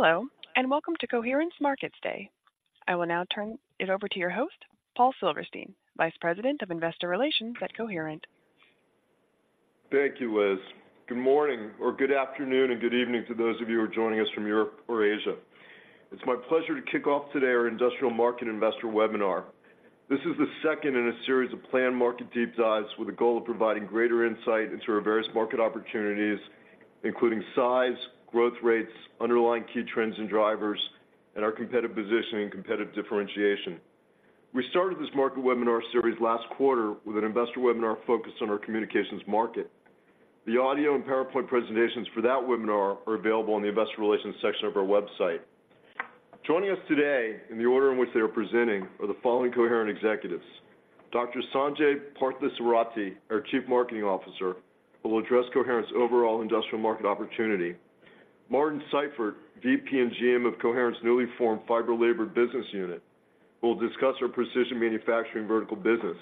Hello, and welcome to Coherent's Markets Day. I will now turn it over to your host, Paul Silverstein, Vice President of Investor Relations at Coherent. Thank you, Liz. Good morning or good afternoon, and good evening to those of you who are joining us from Europe or Asia. It's my pleasure to kick off today our industrial market investor webinar. This is the second in a series of planned market deep dives with a goal of providing greater insight into our various market opportunities, including size, growth rates, underlying key trends and drivers, and our competitive positioning and competitive differentiation. We started this market webinar series last quarter with an investor webinar focused on our communications market. The audio and PowerPoint presentations for that webinar are available on the investor relations section of our website. Joining us today in the order in which they are presenting are the following Coherent executives: Dr. Sanjai Parthasarathi, our Chief Marketing Officer, will address Coherent's overall industrial market opportunity. Martin Seifert, VP and GM of Coherent's newly formed Fiber Laser business unit, will discuss our precision manufacturing vertical business.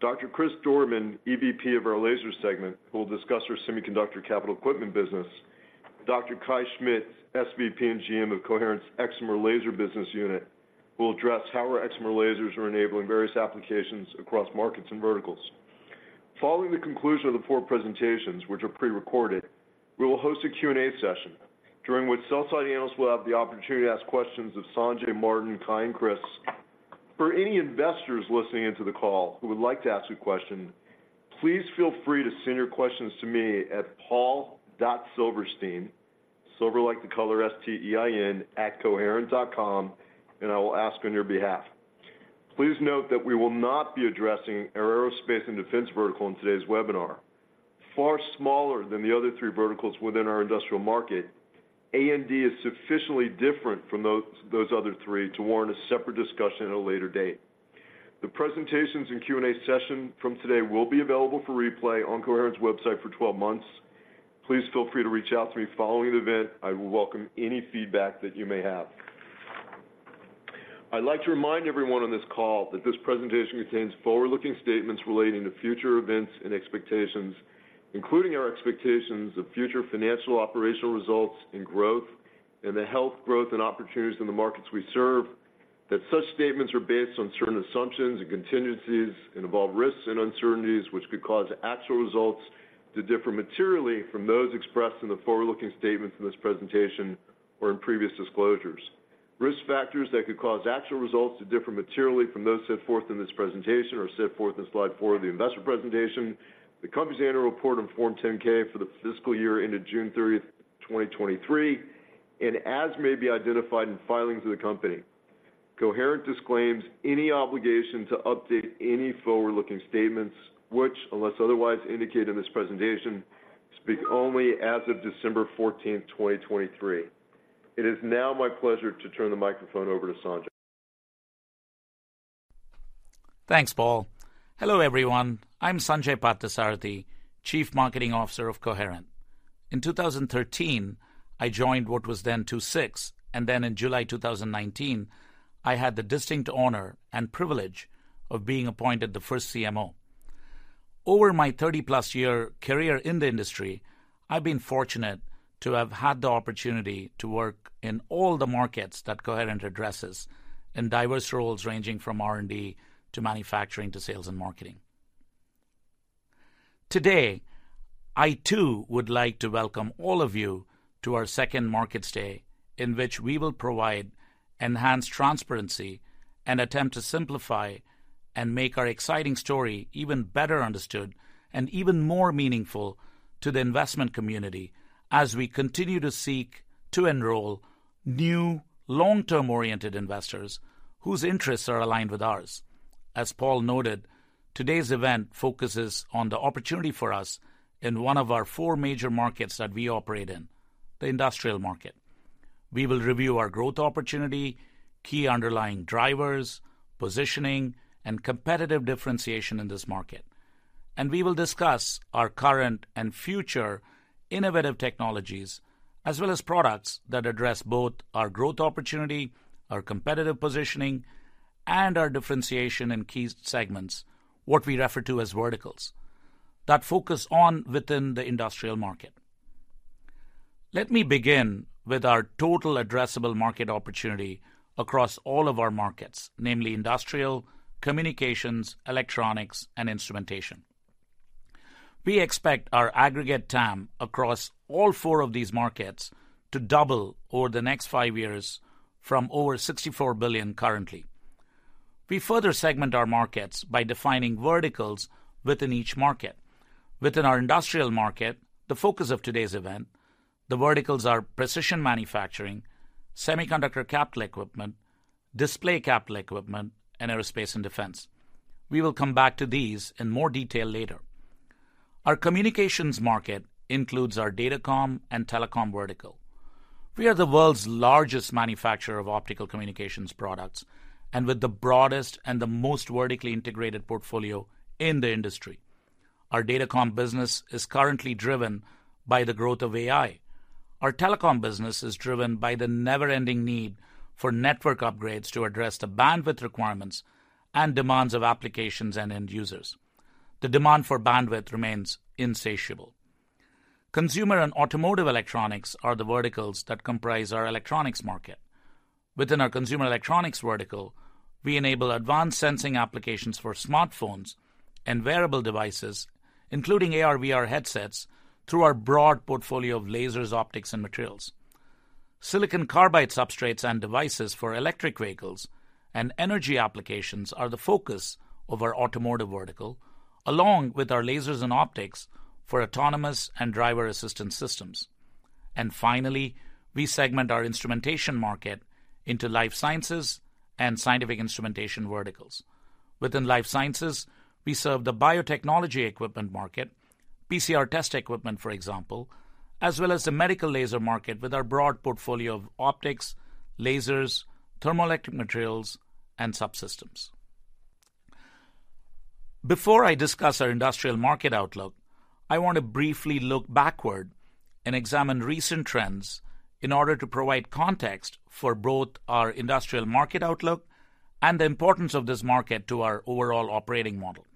Dr. Chris Dorman, EVP of our Laser segment, will discuss our semiconductor capital equipment business. Dr. Kai Schmidt, SVP and GM Excimer Laser Business Unit, will address how our excimer lasers are enabling various applications across markets and verticals. Following the conclusion of the four presentations, which are prerecorded, we will host a Q&A session, during which sell-side analysts will have the opportunity to ask questions of Sanjai, Martin, Kai, and Chris. For any investors listening into the call who would like to ask a question, please feel free to send your questions to me at paul.silverstein, silver like the color S-T-E-I-N @coherent.com, and I will ask on your behalf. Please note that we will not be addressing our aerospace and defense vertical in today's webinar. Far smaller than the other three verticals within our industrial market, and is sufficiently different from those other three to warrant a separate discussion at a later date. The presentations and Q&A session from today will be available for replay on Coherent's website for 12 months. Please feel free to reach out to me following the event. I will welcome any feedback that you may have. I'd like to remind everyone on this call that this presentation contains forward-looking statements relating to future events and expectations, including our expectations of future financial operational results and growth, and the health, growth, and opportunities in the markets we serve, that such statements are based on certain assumptions and contingencies and involve risks and uncertainties which could cause actual results to differ materially from those expressed in the forward-looking statements in this presentation or in previous disclosures. Risk factors that could cause actual results to differ materially from those set forth in this presentation are set forth in slide four of the investor presentation, the company's annual report on Form 10-K for the fiscal year ended June 30th, 2023, and as may be identified in filings of the company. Coherent disclaims any obligation to update any forward-looking statements, which, unless otherwise indicated in this presentation, speak only as of December 14th, 2023. It is now my pleasure to turn the microphone over to Sanjai. Thanks, Paul. Hello, everyone. I'm Sanjai Parthasarathi, Chief Marketing Officer of Coherent. In 2013, I joined what was then II-VI, and then in July 2019, I had the distinct honor and privilege of being appointed the first CMO. Over my 30+-year career in the industry, I've been fortunate to have had the opportunity to work in all the markets that Coherent addresses, in diverse roles ranging from R&D to manufacturing to sales and marketing. Today, I too would like to welcome all of you to our second Markets Day, in which we will provide enhanced transparency and attempt to simplify and make our exciting story even better understood and even more meaningful to the investment community as we continue to seek to enroll new long-term-oriented investors whose interests are aligned with ours. As Paul noted, today's event focuses on the opportunity for us in one of our four major markets that we operate in, the industrial market. We will review our growth opportunity, key underlying drivers, positioning, and competitive differentiation in this market. We will discuss our current and future innovative technologies, as well as products that address both our growth opportunity, our competitive positioning, and our differentiation in key segments, what we refer to as verticals, that focus on within the industrial market. Let me begin with our total addressable market opportunity across all of our markets, namely industrial, communications, electronics, and instrumentation. We expect our aggregate TAM across all four of these markets to double over the next five years from over $64 billion currently. We further segment our markets by defining verticals within each market. Within our industrial market, the focus of today's event, the verticals are precision manufacturing, semiconductor capital equipment, display capital equipment, and aerospace and defense. We will come back to these in more detail later. Our communications market includes our datacom and telecom vertical. We are the world's largest manufacturer of optical communications products and with the broadest and the most vertically integrated portfolio in the industry. Our datacom business is currently driven by the growth of AI. Our telecom business is driven by the never-ending need for network upgrades to address the bandwidth requirements and demands of applications and end users. The demand for bandwidth remains insatiable. Consumer and automotive electronics are the verticals that comprise our electronics market. Within our consumer electronics vertical, we enable advanced sensing applications for smartphones and wearable devices, including AR/VR headsets, through our broad portfolio of lasers, optics, and materials. Silicon carbide substrates and devices for electric vehicles and energy applications are the focus of our automotive vertical, along with our lasers and optics for autonomous and driver-assistance systems. And finally, we segment our instrumentation market into life sciences and scientific instrumentation verticals. Within life sciences, we serve the biotechnology equipment market, PCR test equipment, for example, as well as the medical laser market with our broad portfolio of optics, lasers, thermoelectric materials, and subsystems. Before I discuss our industrial market outlook, I want to briefly look backward and examine recent trends in order to provide context for both our industrial market outlook and the importance of this market to our overall operating model.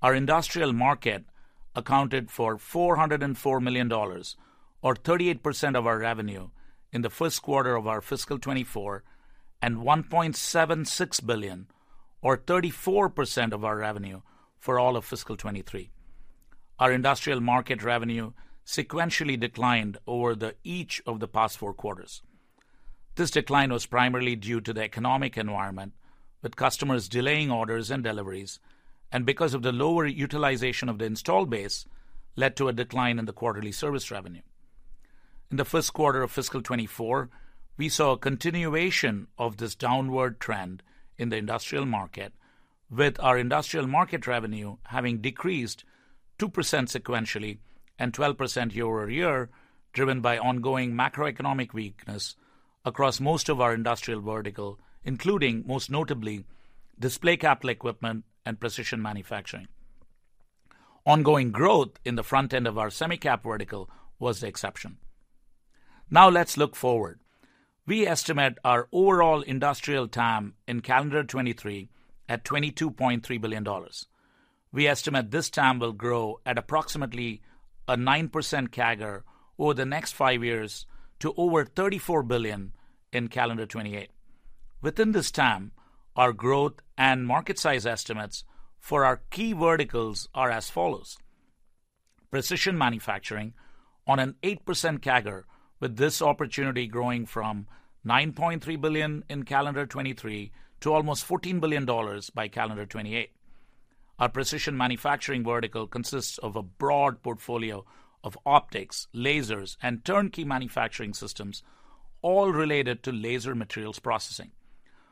Our industrial market accounted for $404 million, or 38% of our revenue in the first quarter of our fiscal 2024, and $1.76 billion, or 34% of our revenue for all of fiscal 2023. Our industrial market revenue sequentially declined over each of the past four quarters. This decline was primarily due to the economic environment, with customers delaying orders and deliveries, and because of the lower utilization of the installed base, led to a decline in the quarterly service revenue. In the first quarter of fiscal 2024, we saw a continuation of this downward trend in the industrial market, with our industrial market revenue having decreased 2% sequentially and 12% year-over-year, driven by ongoing macroeconomic weakness across most of our industrial vertical, including, most notably, display capital equipment and precision manufacturing. Ongoing growth in the front end of our semicap vertical was the exception. Now let's look forward. We estimate our overall industrial TAM in calendar 2023 at $22.3 billion. We estimate this TAM will grow at approximately a 9% CAGR over the next five years to over $34 billion in calendar 2028. Within this TAM, our growth and market size estimates for our key verticals are as follows: Precision manufacturing on an 8% CAGR, with this opportunity growing from $9.3 billion in calendar 2023 to almost $14 billion by calendar 2028. Our precision manufacturing vertical consists of a broad portfolio of optics, lasers, and turnkey manufacturing systems, all related to laser materials processing,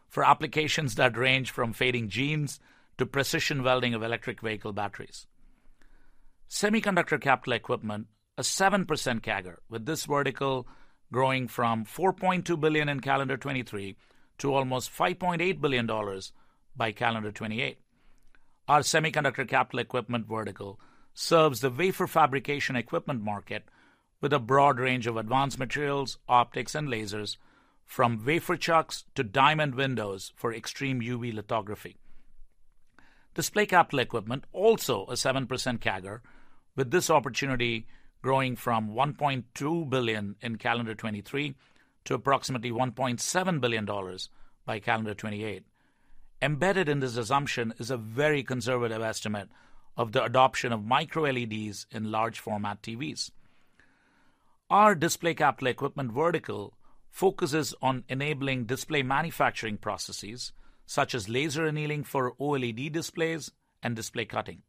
for applications that range from fading jeans to precision welding of electric vehicle batteries. Semiconductor capital equipment, a 7% CAGR, with this vertical growing from $4.2 billion in calendar 2023 to almost $5.8 billion by calendar 2028. Our semiconductor capital equipment vertical serves the wafer fabrication equipment market with a broad range of advanced materials, optics, and lasers, from wafer chucks to diamond windows for EUV lithography. Display capital equipment, also a 7% CAGR, with this opportunity growing from $1.2 billion in calendar 2023 to approximately $1.7 billion by calendar 2028. Embedded in this assumption is a very conservative estimate of the adoption of MicroLEDs in large format TVs. Our display capital equipment vertical focuses on enabling display manufacturing processes such as laser annealing for OLED displays and display cutting.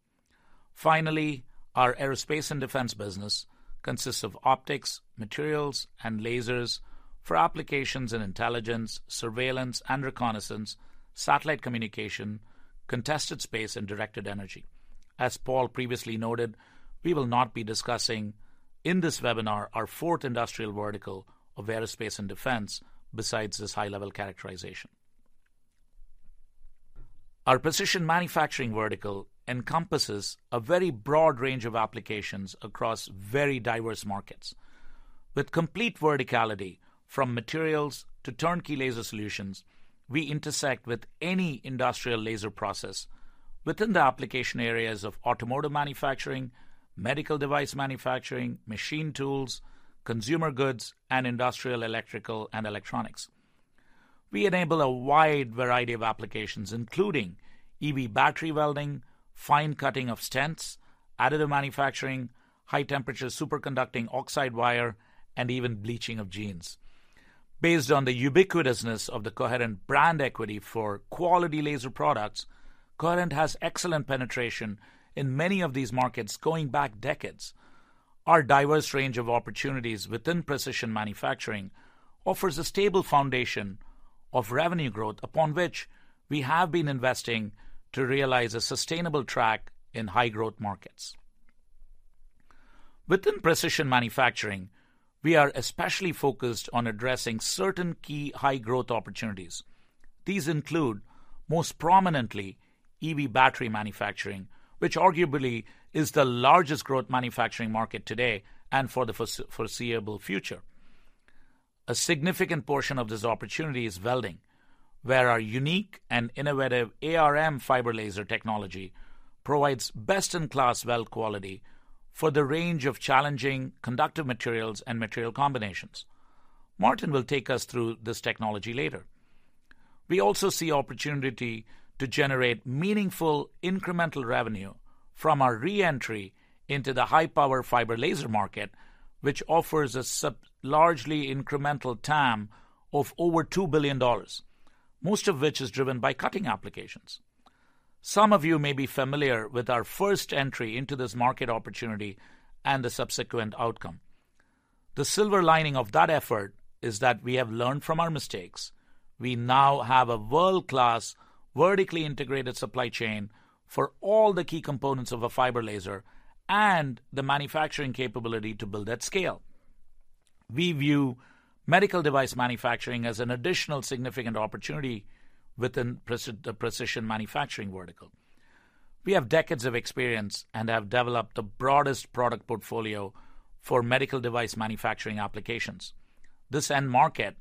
Finally, our aerospace and defense business consists of optics, materials, and lasers for applications in intelligence, surveillance and reconnaissance, satellite communication, contested space, and directed energy. As Paul previously noted, we will not be discussing in this webinar our fourth industrial vertical of aerospace and defense, besides this high-level characterization. Our precision manufacturing vertical encompasses a very broad range of applications across very diverse markets. With complete verticality from materials to turnkey laser solutions, we intersect with any industrial laser process within the application areas of automotive manufacturing, medical device manufacturing, machine tools, consumer goods, and industrial, electrical, and electronics. We enable a wide variety of applications, including EV battery welding, fine cutting of stents, additive manufacturing, high-temperature superconducting oxide wire, and even bleaching of jeans. Based on the ubiquitousness of the Coherent brand equity for quality laser products, Coherent has excellent penetration in many of these markets going back decades. Our diverse range of opportunities within precision manufacturing offers a stable foundation of revenue growth, upon which we have been investing to realize a sustainable track in high-growth markets. Within precision manufacturing, we are especially focused on addressing certain key high-growth opportunities. These include, most prominently, EV battery manufacturing, which arguably is the largest growth manufacturing market today and for the foreseeable future. A significant portion of this opportunity is welding, where our unique and innovative ARM fiber laser technology provides best-in-class weld quality for the range of challenging conductive materials and material combinations. Martin will take us through this technology later. We also see opportunity to generate meaningful incremental revenue from our re-entry into the high-power fiber laser market, which offers a largely incremental TAM of over $2 billion, most of which is driven by cutting applications. Some of you may be familiar with our first entry into this market opportunity and the subsequent outcome. The silver lining of that effort is that we have learned from our mistakes. We now have a world-class, vertically integrated supply chain for all the key components of a fiber laser and the manufacturing capability to build at scale. We view medical device manufacturing as an additional significant opportunity within the precision manufacturing vertical. We have decades of experience and have developed the broadest product portfolio for medical device manufacturing applications. This end market,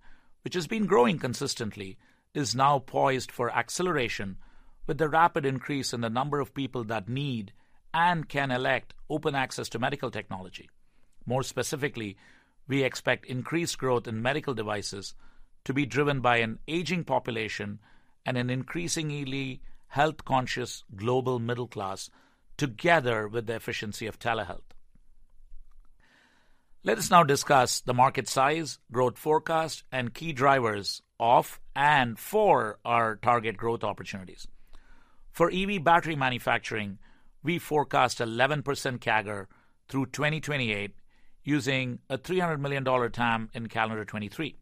which has been growing consistently, is now poised for acceleration with the rapid increase in the number of people that need and can elect open access to medical technology. More specifically, we expect increased growth in medical devices to be driven by an aging population and an increasingly health-conscious global middle class, together with the efficiency of telehealth. Let us now discuss the market size, growth forecast, and key drivers of and for our target growth opportunities. For EV battery manufacturing, we forecast 11% CAGR through 2028, using a $300 million TAM in calendar 2023.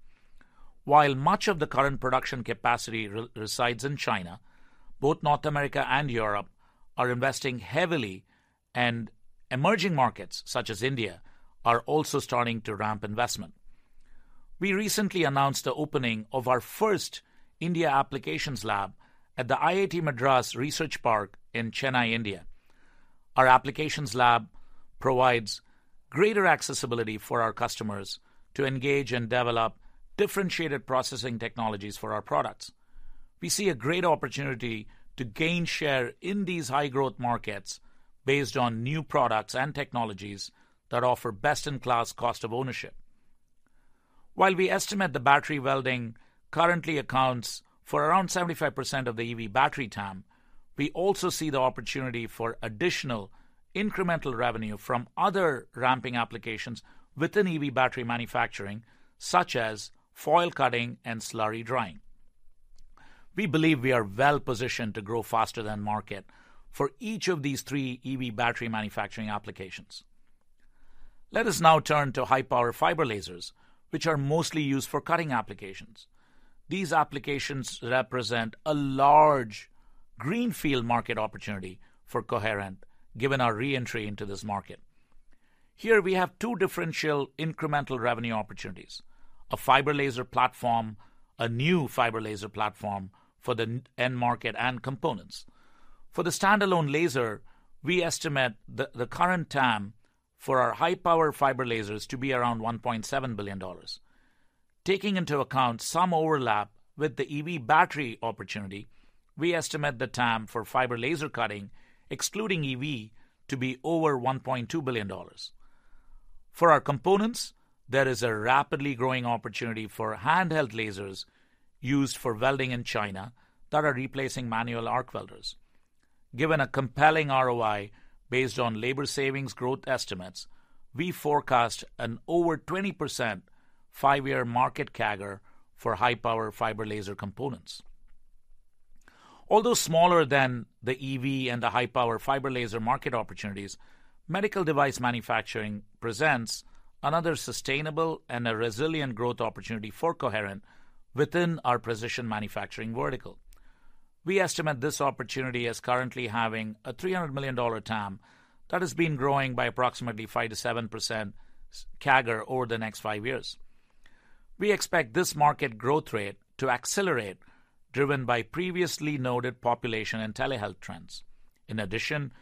While much of the current production capacity resides in China, both North America and Europe are investing heavily, and emerging markets, such as India, are also starting to ramp investment. We recently announced the opening of our first India applications lab at the IIT Madras Research Park in Chennai, India. Our applications lab provides greater accessibility for our customers to engage and develop differentiated processing technologies for our products. We see a great opportunity to gain share in these high-growth markets based on new products and technologies that offer best-in-class cost of ownership. While we estimate the battery welding currently accounts for around 75% of the EV battery TAM, we also see the opportunity for additional incremental revenue from other ramping applications within EV battery manufacturing, such as foil cutting and slurry drying. We believe we are well positioned to grow faster than market for each of these three EV battery manufacturing applications. Let us now turn to high-power fiber lasers, which are mostly used for cutting applications. These applications represent a large greenfield market opportunity for Coherent, given our re-entry into this market. Here we have two differential incremental revenue opportunities: a fiber laser platform, a new fiber laser platform for the end market and components. For the standalone laser, we estimate the current TAM for our high-power fiber lasers to be around $1.7 billion. Taking into account some overlap with the EV battery opportunity, we estimate the TAM for fiber laser cutting, excluding EV, to be over $1.2 billion. For our components, there is a rapidly growing opportunity for handheld lasers used for welding in China that are replacing manual arc welders. Given a compelling ROI based on labor savings growth estimates, we forecast an over 20% five-year market CAGR for high-power fiber laser components. Although smaller than the EV and the high-power fiber laser market opportunities, medical device manufacturing presents another sustainable and a resilient growth opportunity for Coherent within our precision manufacturing vertical. We estimate this opportunity as currently having a $300 million TAM that has been growing by approximately 5%-7% CAGR over the next five years. We expect this market growth rate to accelerate, driven by previously noted population and telehealth trends. In addition,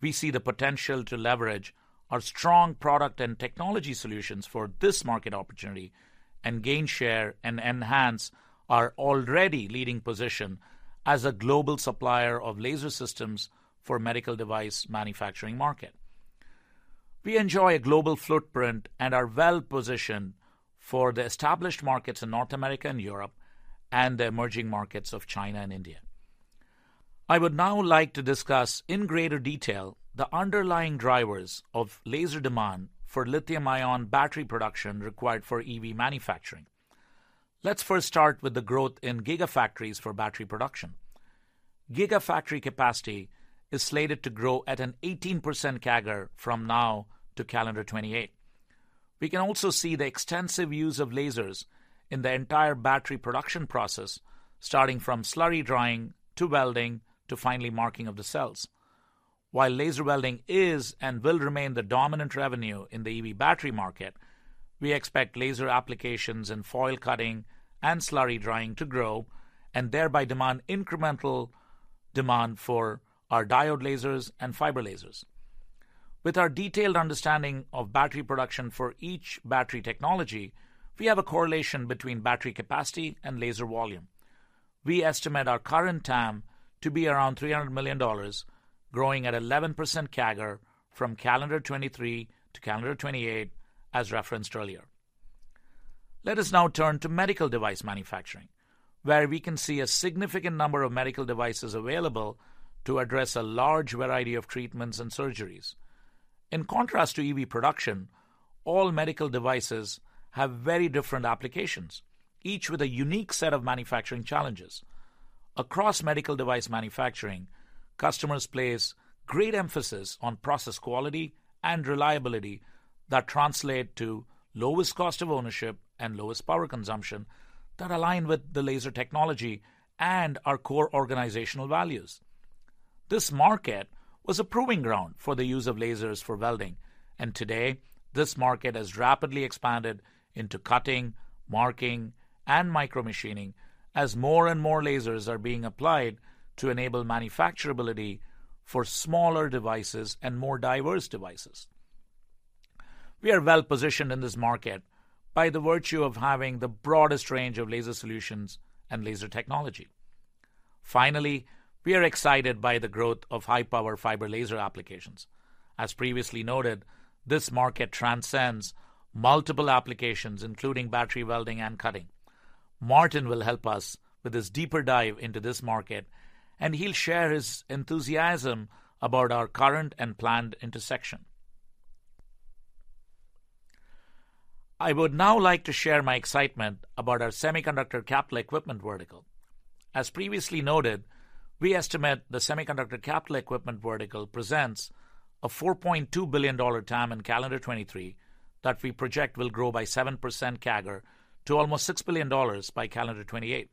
we see the potential to leverage our strong product and technology solutions for this market opportunity and gain share and enhance our already leading position as a global supplier of laser systems for medical device manufacturing market. We enjoy a global footprint and are well positioned for the established markets in North America and Europe and the emerging markets of China and India. I would now like to discuss in greater detail the underlying drivers of laser demand for lithium-ion battery production required for EV manufacturing. Let's first start with the growth in gigafactories for battery production. Gigafactory capacity is slated to grow at an 18% CAGR from now to calendar 2028. We can also see the extensive use of lasers in the entire battery production process, starting from slurry drying to welding to finally marking of the cells. While laser welding is and will remain the dominant revenue in the EV battery market, we expect laser applications in foil cutting and slurry drying to grow and thereby demand incremental demand for our diode lasers and fiber lasers. With our detailed understanding of battery production for each battery technology, we have a correlation between battery capacity and laser volume. We estimate our current TAM to be around $300 million, growing at 11% CAGR from calendar 2023 to calendar 2028, as referenced earlier. Let us now turn to medical device manufacturing, where we can see a significant number of medical devices available to address a large variety of treatments and surgeries. In contrast to EV production, all medical devices have very different applications, each with a unique set of manufacturing challenges. Across medical device manufacturing, customers place great emphasis on process quality and reliability that translate to lowest cost of ownership and lowest power consumption that align with the laser technology and our core organizational values. This market was a proving ground for the use of lasers for welding, and today this market has rapidly expanded into cutting, marking, and micromachining as more and more lasers are being applied to enable manufacturability for smaller devices and more diverse devices. We are well-positioned in this market by virtue of having the broadest range of laser solutions and laser technology. Finally, we are excited by the growth of high-power fiber laser applications. As previously noted, this market transcends multiple applications, including battery welding and cutting. Martin will help us with his deeper dive into this market, and he'll share his enthusiasm about our current and planned intersection. I would now like to share my excitement about our semiconductor capital equipment vertical. As previously noted, we estimate the semiconductor capital equipment vertical presents a $4.2 billion TAM in calendar 2023, that we project will grow by 7% CAGR to almost $6 billion by calendar 2028.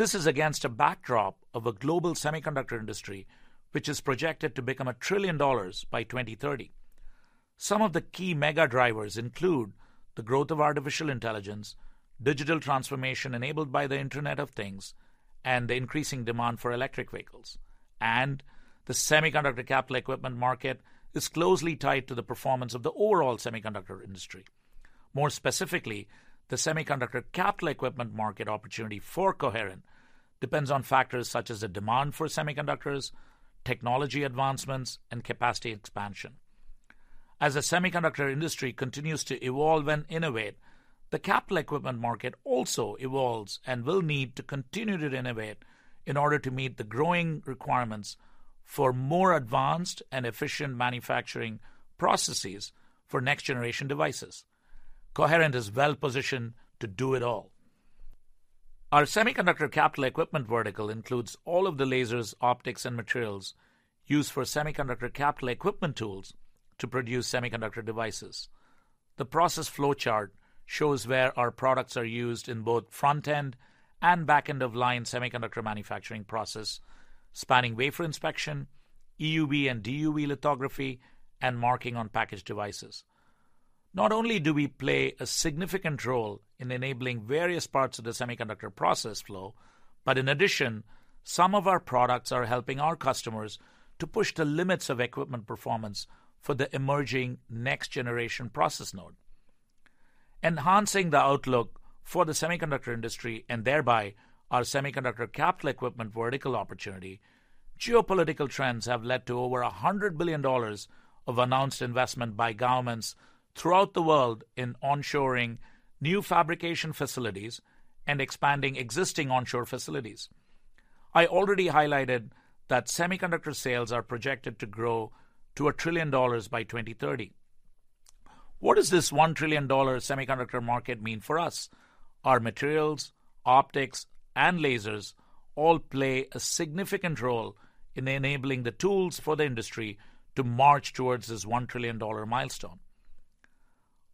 This is against a backdrop of a global semiconductor industry, which is projected to become a $1 trillion by 2030. Some of the key mega drivers include the growth of artificial intelligence, digital transformation enabled by the Internet of Things, and the increasing demand for electric vehicles. And the semiconductor capital equipment market is closely tied to the performance of the overall semiconductor industry. More specifically, the semiconductor capital equipment market opportunity for Coherent depends on factors such as the demand for semiconductors, technology advancements, and capacity expansion. As the semiconductor industry continues to evolve and innovate, the capital equipment market also evolves and will need to continue to innovate in order to meet the growing requirements for more advanced and efficient manufacturing processes for next-generation devices. Coherent is well positioned to do it all. Our semiconductor capital equipment vertical includes all of the lasers, optics, and materials used for semiconductor capital equipment tools to produce semiconductor devices. The process flowchart shows where our products are used in both front-end-of-line and back-end-of-line semiconductor manufacturing process, spanning wafer inspection, EUV and DUV lithography, and marking on packaged devices. Not only do we play a significant role in enabling various parts of the semiconductor process flow, but in addition, some of our products are helping our customers to push the limits of equipment performance for the emerging next-generation process node. Enhancing the outlook for the semiconductor industry, and thereby our semiconductor capital equipment vertical opportunity, geopolitical trends have led to over $100 billion of announced investment by governments throughout the world in onshoring new fabrication facilities and expanding existing onshore facilities. I already highlighted that semiconductor sales are projected to grow to $1 trillion by 2030. What does this $1 trillion semiconductor market mean for us? Our materials, optics, and lasers all play a significant role in enabling the tools for the industry to march towards this $1 trillion milestone.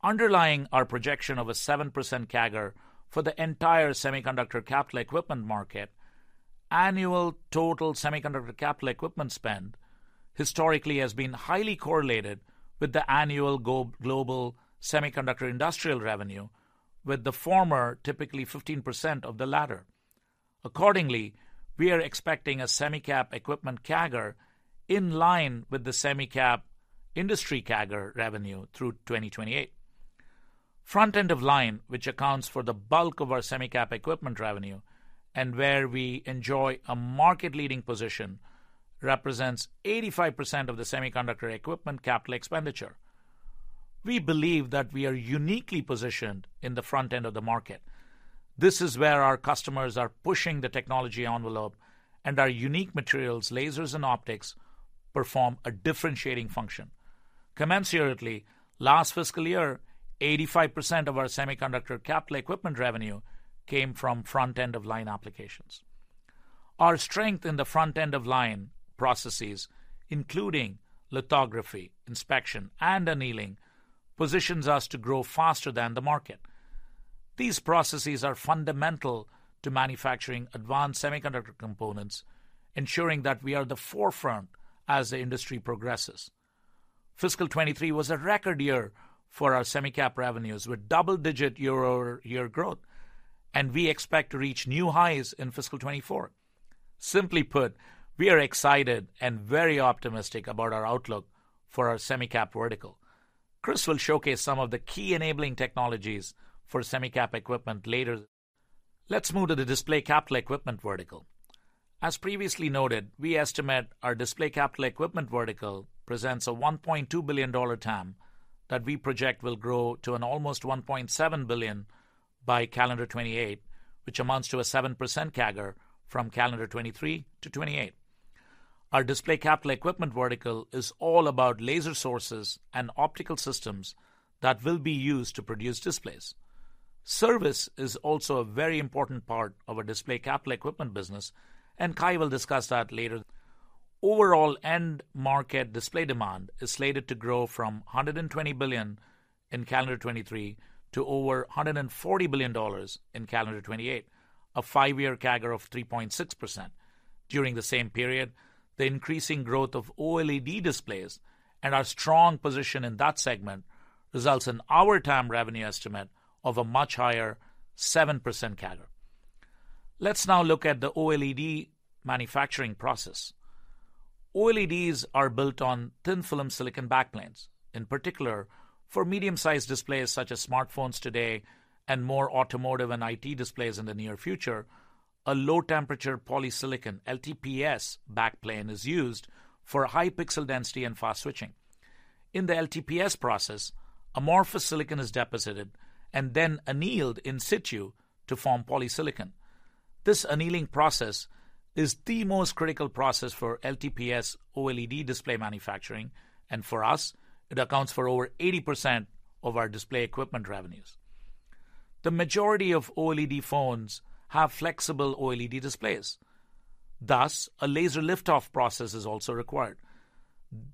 Underlying our projection of a 7% CAGR for the entire semiconductor capital equipment market, annual total semiconductor capital equipment spend historically has been highly correlated with the annual global semiconductor industrial revenue, with the former typically 15% of the latter. Accordingly, we are expecting a semicap equipment CAGR in line with the semicap industry CAGR revenue through 2028. Front-end of line, which accounts for the bulk of our semicap equipment revenue and where we enjoy a market-leading position, represents 85% of the semiconductor equipment capital expenditure. We believe that we are uniquely positioned in the front end of the market. This is where our customers are pushing the technology envelope, and our unique materials, lasers, and optics perform a differentiating function. Commensurately, last fiscal year, 85% of our semiconductor capital equipment revenue came from front-end of line applications. Our strength in the front-end of line processes, including lithography, inspection, and annealing, positions us to grow faster than the market. These processes are fundamental to manufacturing advanced semiconductor components, ensuring that we are at the forefront as the industry progresses. Fiscal 2023 was a record year for our semicap revenues, with double-digit year-over-year growth, and we expect to reach new highs in fiscal 2024. Simply put, we are excited and very optimistic about our outlook for our semicap vertical. Chris will showcase some of the key enabling technologies for semicap equipment later. Let's move to the display capital equipment vertical. As previously noted, we estimate our display capital equipment vertical presents a $1.2 billion TAM that we project will grow to almost $1.7 billion by calendar 2028, which amounts to a 7% CAGR from calendar 2023 to 2028. Our display capital equipment vertical is all about laser sources and optical systems that will be used to produce displays. Service is also a very important part of our display capital equipment business, and Kai will discuss that later. Overall, end market display demand is slated to grow from $120 billion in calendar 2023 to over $140 billion in calendar 2028, a five-year CAGR of 3.6%. During the same period, the increasing growth of OLED displays and our strong position in that segment results in our TAM revenue estimate of a much higher 7% CAGR. Let's now look at the OLED manufacturing process. OLEDs are built on thin-film silicon backplanes. In particular, for medium-sized displays, such as smartphones today and more automotive and IT displays in the near future, a low-temperature polysilicon, LTPS, backplane is used for high pixel density and fast switching. In the LTPS process, amorphous silicon is deposited and then annealed in situ to form polysilicon. This annealing process is the most critical process for LTPS OLED display manufacturing, and for us, it accounts for over 80% of our display equipment revenues. The majority of OLED phones have flexible OLED displays, thus a laser lift-off process is also required.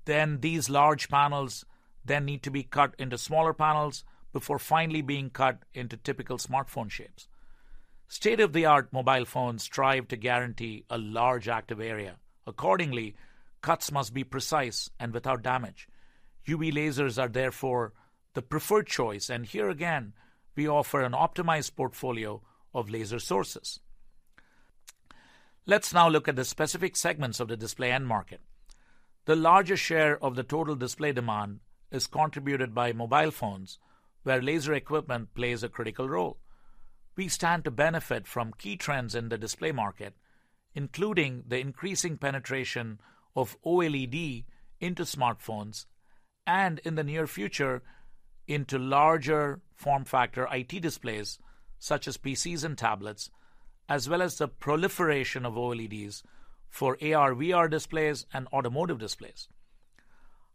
Then these large panels need to be cut into smaller panels before finally being cut into typical smartphone shapes. State-of-the-art mobile phones strive to guarantee a large active area. Accordingly, cuts must be precise and without damage. UV lasers are therefore the preferred choice, and here again, we offer an optimized portfolio of laser sources. Let's now look at the specific segments of the display end market. The largest share of the total display demand is contributed by mobile phones, where laser equipment plays a critical role. We stand to benefit from key trends in the display market, including the increasing penetration of OLED into smartphones and, in the near future, into larger form factor IT displays such as PCs and tablets, as well as the proliferation of OLEDs for AR/VR displays and automotive displays.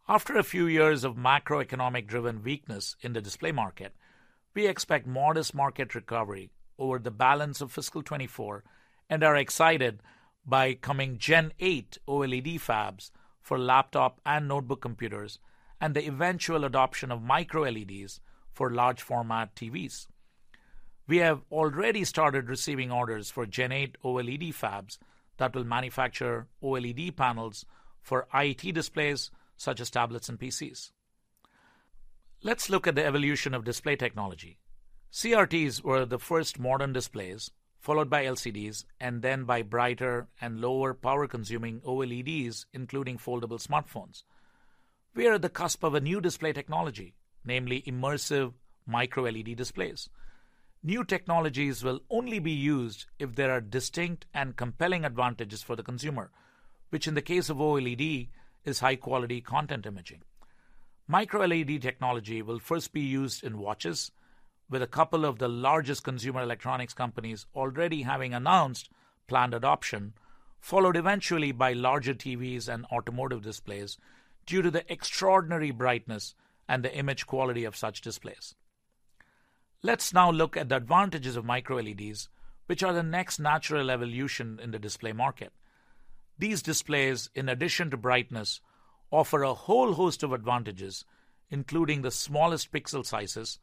After a few years of macroeconomic-driven weakness in the display market, we expect modest market recovery over the balance of fiscal 2024 and are excited by coming Gen 8 OLED fabs for laptop and notebook computers and the eventual adoption of MicroLEDs for large format TVs. We have already started receiving orders for Gen 8 OLED fabs that will manufacture OLED panels for IT displays such as tablets and PCs. Let's look at the evolution of display technology. CRTs were the first modern displays, followed by LCDs and then by brighter and lower power-consuming OLEDs, including foldable smartphones. We are at the cusp of a new display technology, namely immersive MicroLED displays. New technologies will only be used if there are distinct and compelling advantages for the consumer, which in the case of OLED, is high-quality content imaging. MicroLED technology will first be used in watches, with a couple of the largest consumer electronics companies already having announced planned adoption, followed eventually by larger TVs and automotive displays due to the extraordinary brightness and the image quality of such displays. Let's now look at the advantages of MicroLEDs, which are the next natural evolution in the display market. These displays, in addition to brightness, offer a whole host of advantages, including the smallest pixel sizes,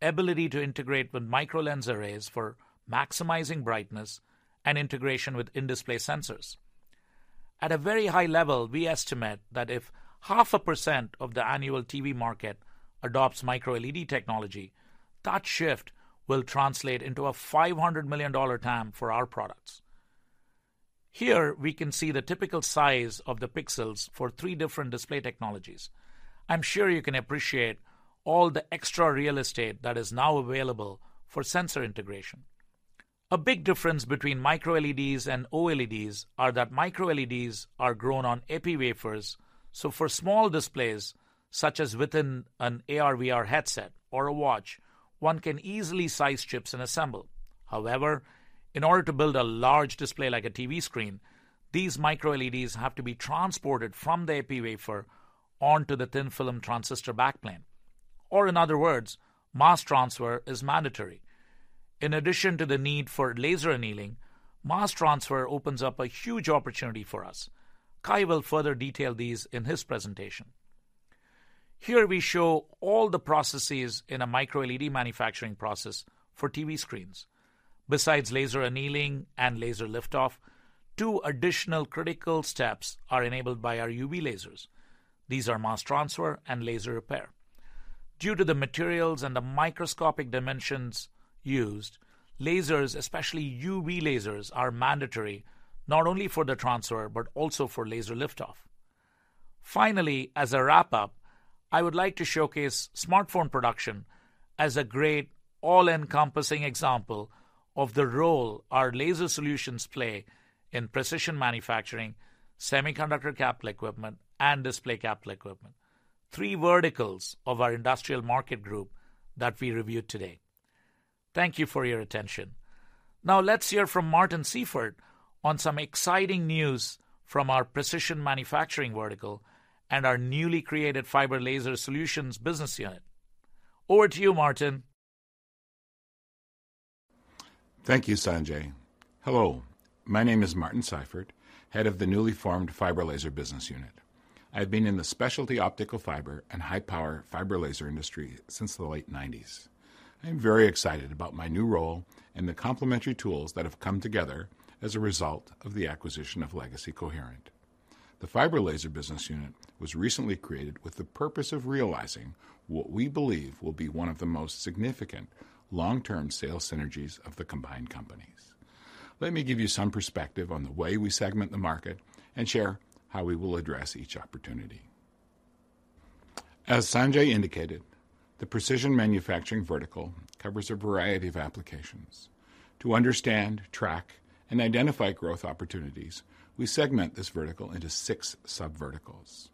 ability to integrate with microlens arrays for maximizing brightness, and integration with in-display sensors. At a very high level, we estimate that if 0.5% of the annual TV market adopts MicroLED technology, that shift will translate into a $500 million TAM for our products. Here, we can see the typical size of the pixels for three different display technologies. I'm sure you can appreciate all the extra real estate that is now available for sensor integration. A big difference between MicroLEDs and OLEDs are that MicroLEDs are grown on epi wafers, so for small displays, such as within an AR/VR headset or a watch, one can easily size chips and assemble. However, in order to build a large display like a TV screen, these MicroLEDs have to be transported from the epi wafer onto the thin film transistor backplane, or in other words, mass transfer is mandatory. In addition to the need for laser annealing, mass transfer opens up a huge opportunity for us. Kai will further detail these in his presentation. Here we show all the processes in a MicroLED manufacturing process for TV screens. Besides laser annealing and laser lift-off, two additional critical steps are enabled by our UV lasers. These are mass transfer and laser repair. Due to the materials and the microscopic dimensions used, lasers, especially UV lasers, are mandatory, not only for the transfer, but also for laser lift-off. Finally, as a wrap-up, I would like to showcase smartphone production as a great all-encompassing example of the role our laser solutions play in precision manufacturing, semiconductor capital equipment, and display capital equipment, three verticals of our industrial market group that we reviewed today. Thank you for your attention. Now, let's hear from Martin Seifert on some exciting news from our precision manufacturing vertical and our newly created fiber laser solutions business unit. Over to you, Martin. Thank you, Sanjai. Hello, my name is Martin Seifert, head of the newly formed Fiber Laser Business Unit. I've been in the specialty optical fiber and high-power fiber laser industry since the late 1990s. I'm very excited about my new role and the complementary tools that have come together as a result of the acquisition of legacy Coherent. The Fiber Laser Business Unit was recently created with the purpose of realizing what we believe will be one of the most significant long-term sales synergies of the combined companies. Let me give you some perspective on the way we segment the market and share how we will address each opportunity. As Sanjai indicated, the precision manufacturing vertical covers a variety of applications. To understand, track, and identify growth opportunities, we segment this vertical into six sub-verticals.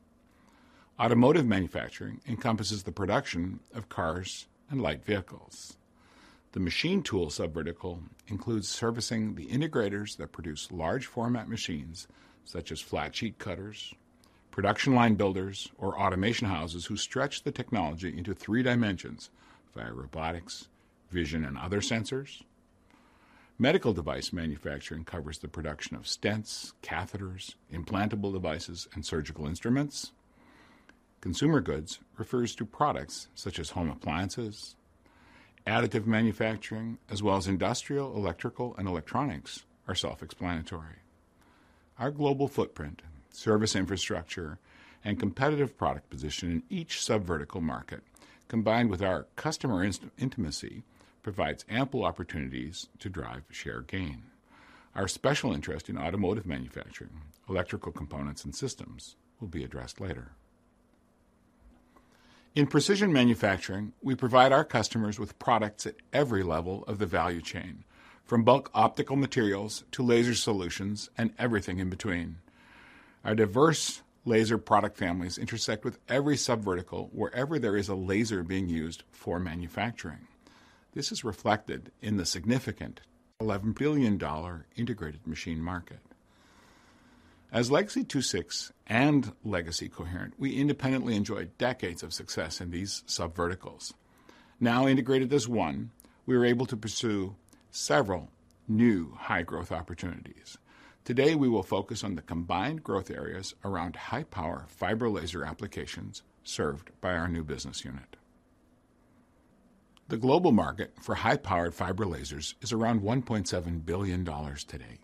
Automotive manufacturing encompasses the production of cars and light vehicles. The machine tool sub-vertical includes servicing the integrators that produce large format machines, such as flat sheet cutters, production line builders, or automation houses who stretch the technology into three dimensions via robotics, vision, and other sensors. Medical device manufacturing covers the production of stents, catheters, implantable devices, and surgical instruments. Consumer goods refers to products such as home appliances. Additive manufacturing, as well as industrial, electrical, and electronics, are self-explanatory. Our global footprint, service infrastructure, and competitive product position in each sub-vertical market, combined with our customer intimacy, provides ample opportunities to drive shared gain. Our special interest in automotive manufacturing, electrical components and systems will be addressed later. In precision manufacturing, we provide our customers with products at every level of the value chain, from bulk optical materials to laser solutions and everything in between. Our diverse laser product families intersect with every sub-vertical wherever there is a laser being used for manufacturing. This is reflected in the significant $11 billion integrated machine market. As legacy II-VI and legacy Coherent, we independently enjoyed decades of success in these sub-verticals. Now integrated as one, we are able to pursue several new high-growth opportunities. Today, we will focus on the combined growth areas around high-power fiber laser applications served by our new business unit. The global market for high-powered fiber lasers is around $1.7 billion today.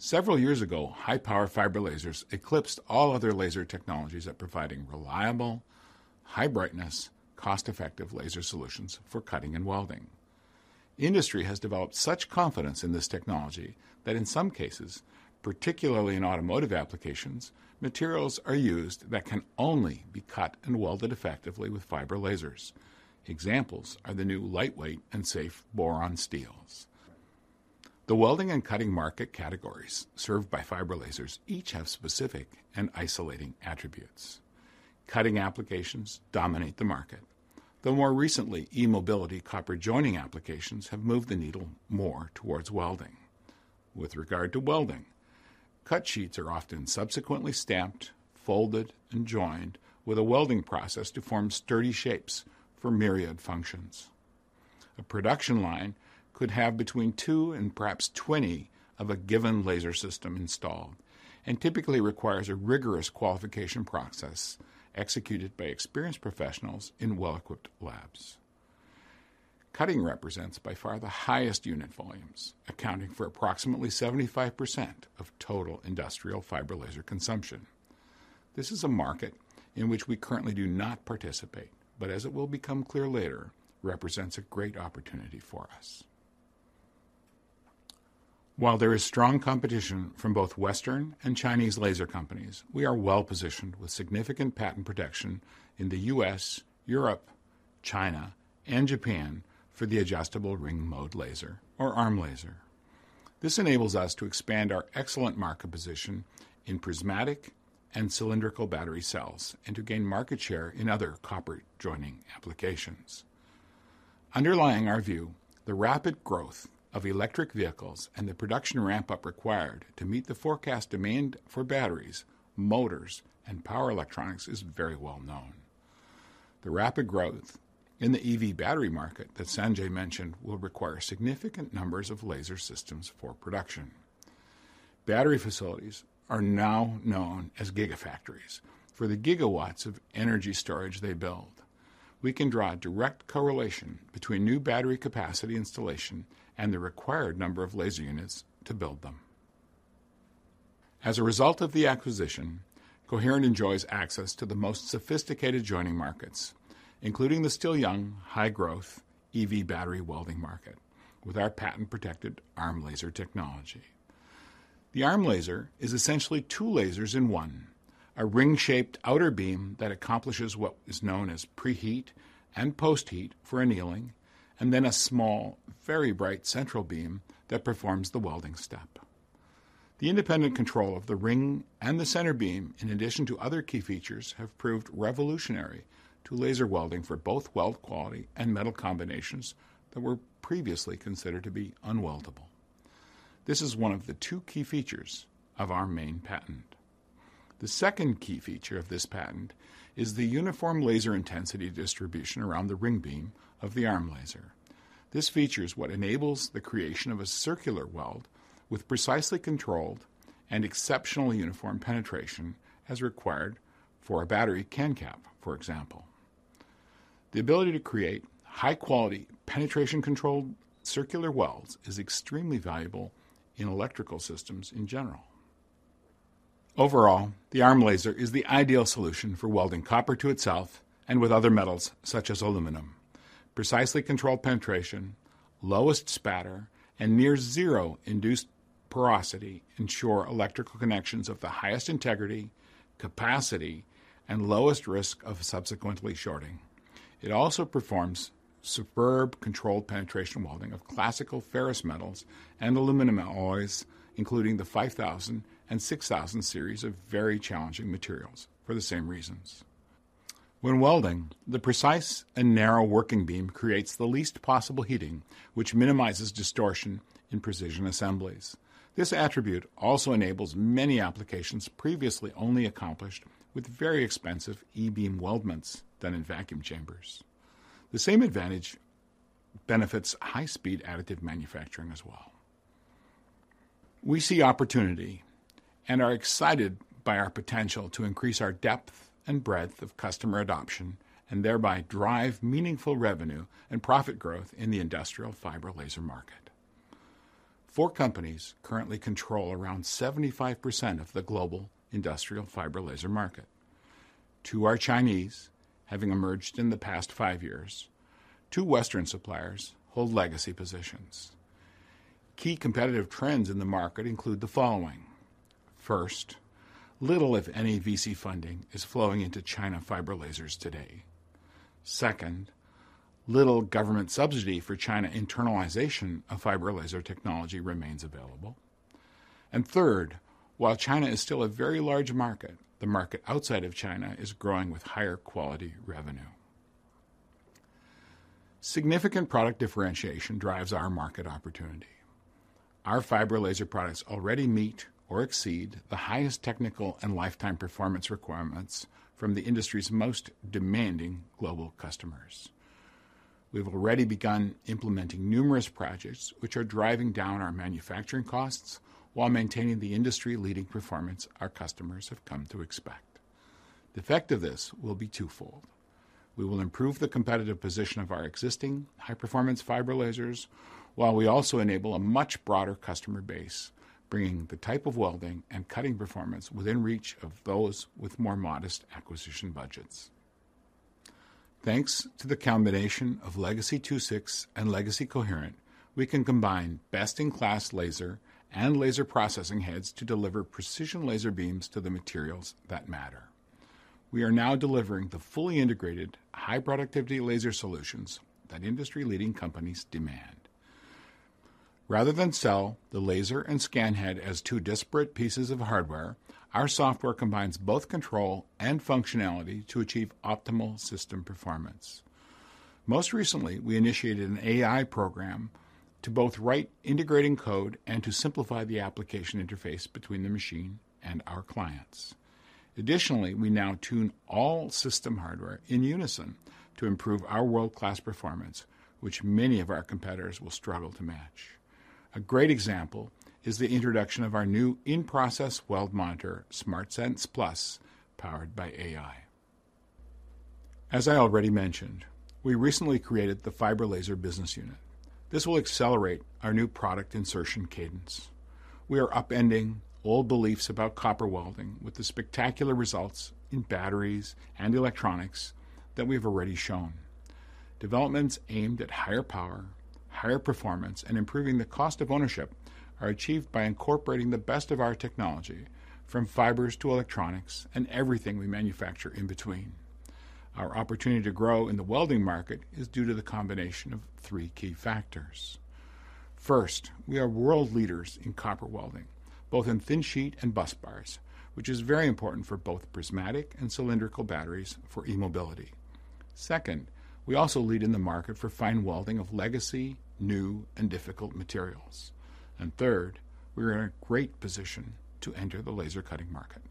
Several years ago, high-power fiber lasers eclipsed all other laser technologies at providing reliable, high brightness, cost-effective laser solutions for cutting and welding. The industry has developed such confidence in this technology that in some cases, particularly in automotive applications, materials are used that can only be cut and welded effectively with fiber lasers. Examples are the new lightweight and safe boron steels. The welding and cutting market categories served by fiber lasers each have specific and isolating attributes. Cutting applications dominate the market, though more recently, e-mobility copper joining applications have moved the needle more towards welding. With regard to welding, cut sheets are often subsequently stamped, folded, and joined with a welding process to form sturdy shapes for myriad functions. A production line could have between two and perhaps 20 of a given laser system installed and typically requires a rigorous qualification process executed by experienced professionals in well-equipped labs. Cutting represents by far the highest unit volumes, accounting for approximately 75% of total industrial fiber laser consumption. This is a market in which we currently do not participate, but as it will become clear later, represents a great opportunity for us. While there is strong competition from both Western and Chinese laser companies, we are well-positioned with significant patent protection in the U.S., Europe, China, and Japan for the adjustable ring mode laser or ARM laser. This enables us to expand our excellent market position in prismatic and cylindrical battery cells and to gain market share in other copper joining applications. Underlying our view, the rapid growth of electric vehicles and the production ramp-up required to meet the forecast demand for batteries, motors, and power electronics is very well known. The rapid growth in the EV battery market that Sanjai mentioned will require significant numbers of laser systems for production. Battery facilities are now known as gigafactories for the gigawatts of energy storage they build. We can draw a direct correlation between new battery capacity installation and the required number of laser units to build them. As a result of the acquisition, Coherent enjoys access to the most sophisticated joining markets, including the still young, high-growth EV battery welding market, with our patent-protected ARM laser technology. The ARM laser is essentially two lasers in one: a ring-shaped outer beam that accomplishes what is known as preheat and post-heat for annealing, and then a small, very bright central beam that performs the welding step. The independent control of the ring and the center beam, in addition to other key features, have proved revolutionary to laser welding for both weld quality and metal combinations that were previously considered to be unweldable. This is one of the two key features of our main patent. The second key feature of this patent is the uniform laser intensity distribution around the ring beam of the ARM laser. This feature is what enables the creation of a circular weld with precisely controlled and exceptionally uniform penetration, as required for a battery can-cap, for example. The ability to create high-quality, penetration-controlled circular welds is extremely valuable in electrical systems in general. Overall, the ARM laser is the ideal solution for welding copper to itself and with other metals, such as aluminum. Precisely controlled penetration, lowest spatter, and near zero induced porosity ensure electrical connections of the highest integrity, capacity, and lowest risk of subsequently shorting. It also performs superb, controlled penetration welding of classical ferrous metals and aluminum alloys, including the 5,000 and 6,000 series of very challenging materials for the same reasons. When welding, the precise and narrow working beam creates the least possible heating, which minimizes distortion in precision assemblies. This attribute also enables many applications previously only accomplished with very expensive e-beam weldments done in vacuum chambers. The same advantage benefits high-speed additive manufacturing as well. We see opportunity and are excited by our potential to increase our depth and breadth of customer adoption, and thereby drive meaningful revenue and profit growth in the industrial fiber laser market. Four companies currently control around 75% of the global industrial fiber laser market. Two are Chinese, having emerged in the past five years. Two Western suppliers hold legacy positions. Key competitive trends in the market include the following: First, little, if any, VC funding is flowing into Chinese fiber lasers today. Second, little government subsidy for Chinese internalization of fiber laser technology remains available. Third, while China is still a very large market, the market outside of China is growing with higher quality revenue. Significant product differentiation drives our market opportunity. Our fiber laser products already meet or exceed the highest technical and lifetime performance requirements from the industry's most demanding global customers. We've already begun implementing numerous projects which are driving down our manufacturing costs while maintaining the industry-leading performance our customers have come to expect. The effect of this will be twofold. We will improve the competitive position of our existing high-performance fiber lasers, while we also enable a much broader customer base, bringing the type of welding and cutting performance within reach of those with more modest acquisition budgets. Thanks to the combination of legacy II-VI and legacy Coherent, we can combine best-in-class laser and laser processing heads to deliver precision laser beams to the materials that matter. We are now delivering the fully integrated, high-productivity laser solutions that industry-leading companies demand. Rather than sell the laser and scan head as two disparate pieces of hardware, our software combines both control and functionality to achieve optimal system performance. Most recently, we initiated an AI program to both write integrating code and to simplify the application interface between the machine and our clients. Additionally, we now tune all system hardware in unison to improve our world-class performance, which many of our competitors will struggle to match. A great example is the introduction of our new in-process weld monitor, SmartSense+, powered by AI. As I already mentioned, we recently created the Fiber Laser Business Unit. This will accelerate our new product insertion cadence. We are upending old beliefs about copper welding with the spectacular results in batteries and electronics that we've already shown. Developments aimed at higher power, higher performance, and improving the cost of ownership are achieved by incorporating the best of our technology, from fibers to electronics and everything we manufacture in between. Our opportunity to grow in the welding market is due to the combination of three key factors. First, we are world leaders in copper welding, both in thin sheet and busbars, which is very important for both prismatic and cylindrical batteries for e-mobility. Second, we also lead in the market for fine welding of legacy, new, and difficult materials. And third, we are in a great position to enter the laser cutting market.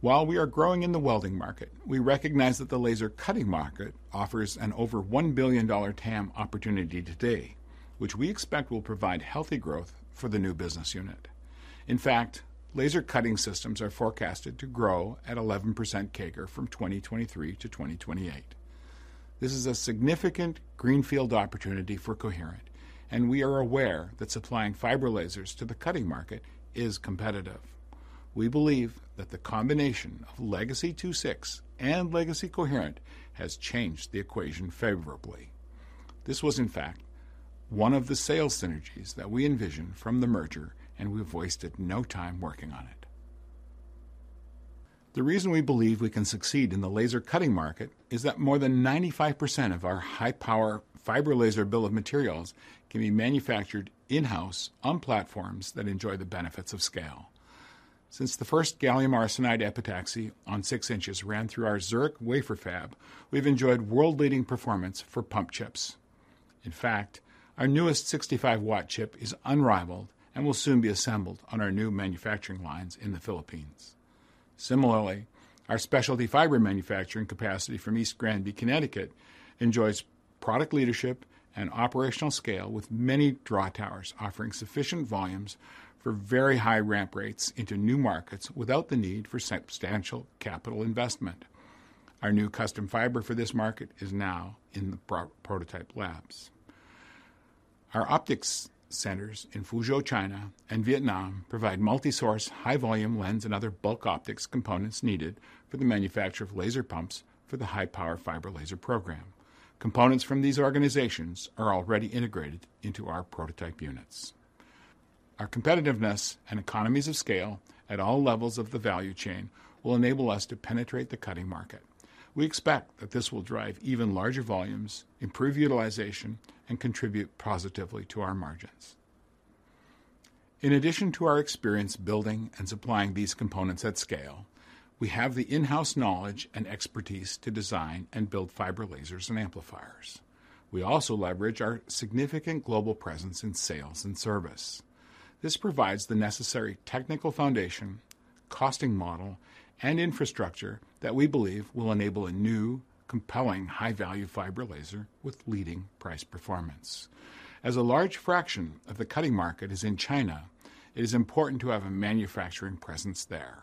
While we are growing in the welding market, we recognize that the laser cutting market offers an over $1 billion TAM opportunity today, which we expect will provide healthy growth for the new business unit. In fact, laser cutting systems are forecasted to grow at 11% CAGR from 2023 to 2028. This is a significant greenfield opportunity for Coherent, and we are aware that supplying fiber lasers to the cutting market is competitive. We believe that the combination of legacy II-VI and legacy Coherent has changed the equation favorably. This was, in fact, one of the sales synergies that we envisioned from the merger, and we've wasted no time working on it. The reason we believe we can succeed in the laser cutting market is that more than 95% of our high-power fiber laser bill of materials can be manufactured in-house on platforms that enjoy the benefits of scale. Since the first gallium arsenide epitaxy on six inches ran through our Zurich wafer fab, we've enjoyed world-leading performance for pump chips. In fact, our newest 65 W chip is unrivaled and will soon be assembled on our new manufacturing lines in the Philippines. Similarly, our specialty fiber manufacturing capacity from East Granby, Connecticut, enjoys product leadership and operational scale, with many draw towers offering sufficient volumes for very high ramp rates into new markets without the need for substantial capital investment. Our new custom fiber for this market is now in the prototype labs. Our optics centers in Fuzhou, China, and Vietnam provide multi-source, high-volume lens and other bulk optics components needed for the manufacture of laser pumps for the high-power fiber laser program. Components from these organizations are already integrated into our prototype units. Our competitiveness and economies of scale at all levels of the value chain will enable us to penetrate the cutting market. We expect that this will drive even larger volumes, improve utilization, and contribute positively to our margins. In addition to our experience building and supplying these components at scale, we have the in-house knowledge and expertise to design and build fiber lasers and amplifiers. We also leverage our significant global presence in sales and service. This provides the necessary technical foundation, costing model, and infrastructure that we believe will enable a new, compelling, high-value fiber laser with leading price performance. As a large fraction of the cutting market is in China, it is important to have a manufacturing presence there.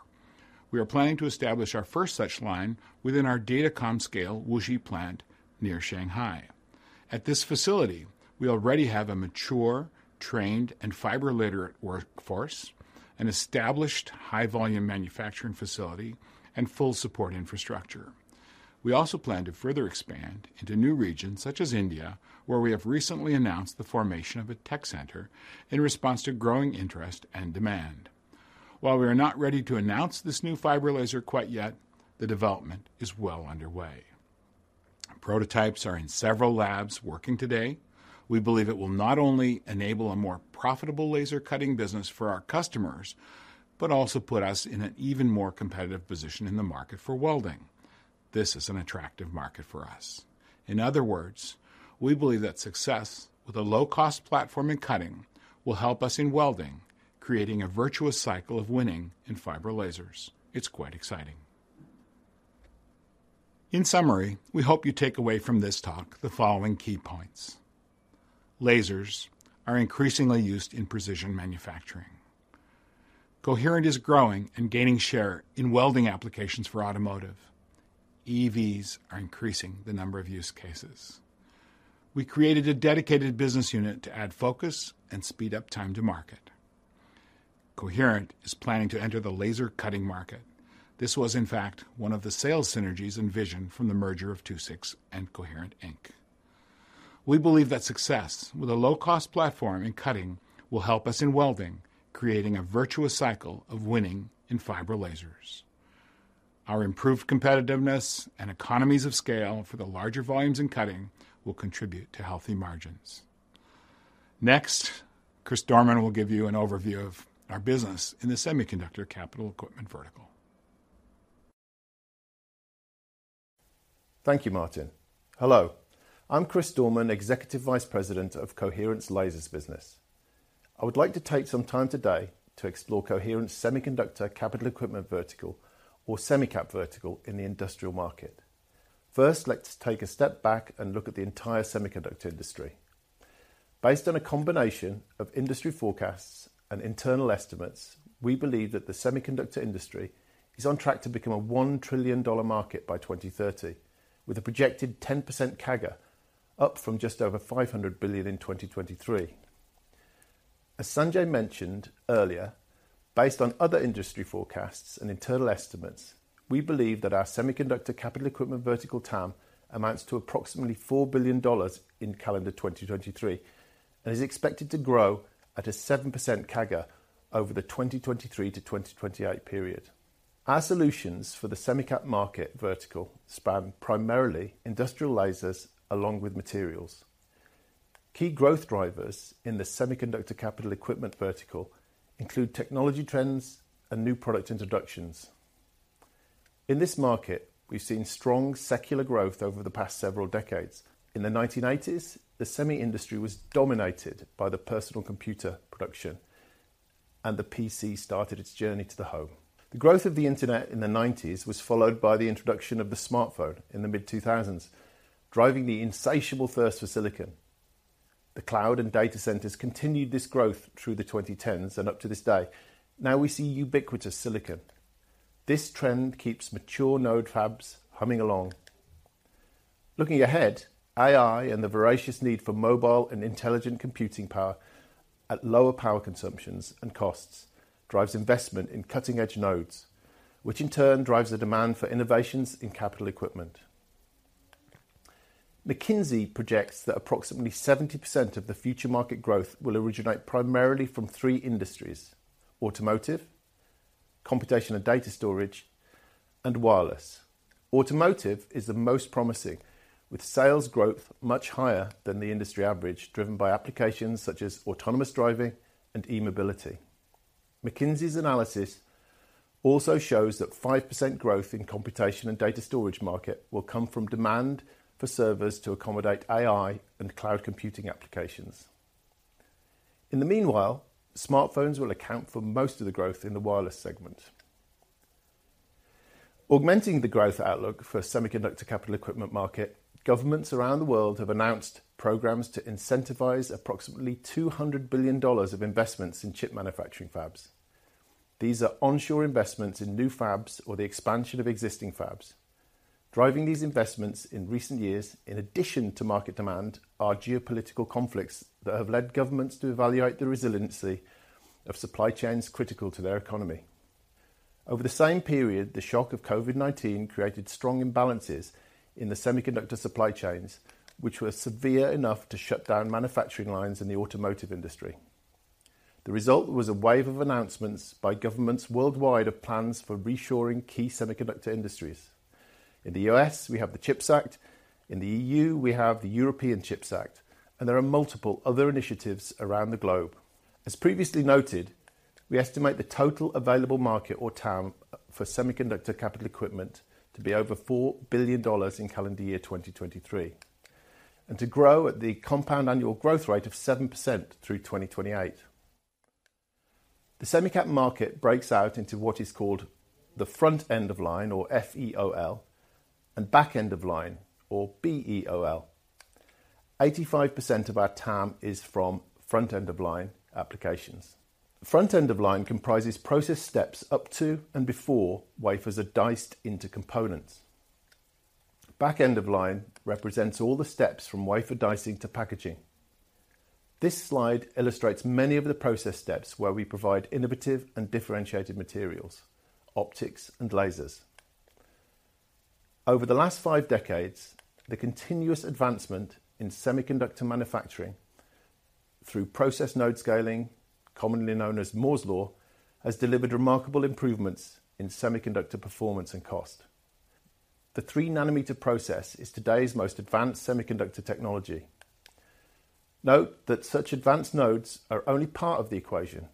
We are planning to establish our first such line within our datacom-scale Wuxi plant, near Shanghai. At this facility, we already have a mature, trained, and fiber-literate workforce, an established high-volume manufacturing facility, and full support infrastructure. We also plan to further expand into new regions, such as India, where we have recently announced the formation of a tech center in response to growing interest and demand. While we are not ready to announce this new fiber laser quite yet, the development is well underway. Prototypes are in several labs working today. We believe it will not only enable a more profitable laser cutting business for our customers, but also put us in an even more competitive position in the market for welding. This is an attractive market for us. In other words, we believe that success with a low-cost platform in cutting will help us in welding, creating a virtuous cycle of winning in fiber lasers. It's quite exciting. In summary, we hope you take away from this talk the following key points: Lasers are increasingly used in precision manufacturing. Coherent is growing and gaining share in welding applications for automotive. EVs are increasing the number of use cases. We created a dedicated business unit to add focus and speed up time to market. Coherent is planning to enter the laser cutting market. This was, in fact, one of the sales synergies envisioned from the merger of II-VI and Coherent Inc. We believe that success with a low-cost platform in cutting will help us in welding, creating a virtuous cycle of winning in fiber lasers. Our improved competitiveness and economies of scale for the larger volumes in cutting will contribute to healthy margins. Next, Chris Dorman will give you an overview of our business in the semiconductor capital equipment vertical. Thank you, Martin. Hello, I'm Chris Dorman, Executive Vice President of Coherent's Lasers Business. I would like to take some time today to explore Coherent's semiconductor capital equipment vertical or semicap vertical in the industrial market. First, let's take a step back and look at the entire semiconductor industry. Based on a combination of industry forecasts and internal estimates, we believe that the semiconductor industry is on track to become a $1 trillion market by 2030, with a projected 10% CAGR, up from just over $500 billion in 2023. As Sanjai mentioned earlier, based on other industry forecasts and internal estimates, we believe that our semiconductor capital equipment vertical TAM amounts to approximately $4 billion in calendar 2023, and is expected to grow at a 7% CAGR over the 2023-2028 period. Our solutions for the semicap market vertical span primarily industrial lasers along with materials. Key growth drivers in the semiconductor capital equipment vertical include technology trends and new product introductions. In this market, we've seen strong secular growth over the past several decades. In the 1980s, the semi-industry was dominated by the personal computer production, and the PC started its journey to the home. The growth of the internet in the 1990s was followed by the introduction of the smartphone in the mid-2000s, driving the insatiable thirst for silicon.... The cloud and data centers continued this growth through the 2010s and up to this day. Now we see ubiquitous silicon. This trend keeps mature node fabs humming along. Looking ahead, AI and the voracious need for mobile and intelligent computing power at lower power consumptions and costs, drives investment in cutting-edge nodes, which in turn drives the demand for innovations in capital equipment. McKinsey projects that approximately 70% of the future market growth will originate primarily from three industries: automotive, computation and data storage, and wireless. Automotive is the most promising, with sales growth much higher than the industry average, driven by applications such as autonomous driving and e-mobility. McKinsey's analysis also shows that 5% growth in computation and data storage market will come from demand for servers to accommodate AI and cloud computing applications. In the meanwhile, smartphones will account for most of the growth in the wireless segment. Augmenting the growth outlook for semiconductor capital equipment market, governments around the world have announced programs to incentivize approximately $200 billion of investments in chip manufacturing fabs. These are onshore investments in new fabs or the expansion of existing fabs. Driving these investments in recent years, in addition to market demand, are geopolitical conflicts that have led governments to evaluate the resiliency of supply chains critical to their economy. Over the same period, the shock of COVID-19 created strong imbalances in the semiconductor supply chains, which were severe enough to shut down manufacturing lines in the automotive industry. The result was a wave of announcements by governments worldwide of plans for reshoring key semiconductor industries. In the U.S., we have the CHIPS Act, in the E.U., we have the European CHIPS Act, and there are multiple other initiatives around the globe. As previously noted, we estimate the total available market or TAM for semiconductor capital equipment to be over $4 billion in calendar year 2023, and to grow at the compound annual growth rate of 7% through 2028. The semicap market breaks out into what is called the front end of line, or FEOL, and back end of line, or BEOL. 85% of our TAM is from front end of line applications. front end of line comprises process steps up to and before wafers are diced into components. back end of line represents all the steps from wafer dicing to packaging. This slide illustrates many of the process steps where we provide innovative and differentiated materials, optics, and lasers. Over the last five decades, the continuous advancement in semiconductor manufacturing through process node scaling, commonly known as Moore's Law, has delivered remarkable improvements in semiconductor performance and cost. The 3 nm process is today's most advanced semiconductor technology. Note that such advanced nodes are only part of the equation.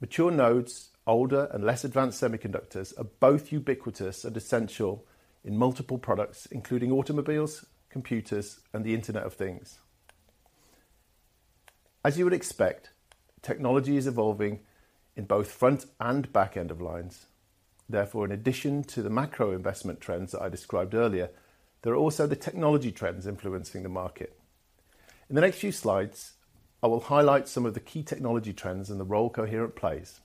Mature nodes, older and less advanced semiconductors, are both ubiquitous and essential in multiple products, including automobiles, computers, and the Internet of Things. As you would expect, technology is front end of line and back end of line. Therefore, in addition to the macro investment trends that I described earlier, there are also the technology trends influencing the market. In the next few slides, I will highlight some of the key technology trends and the role Coherent plays.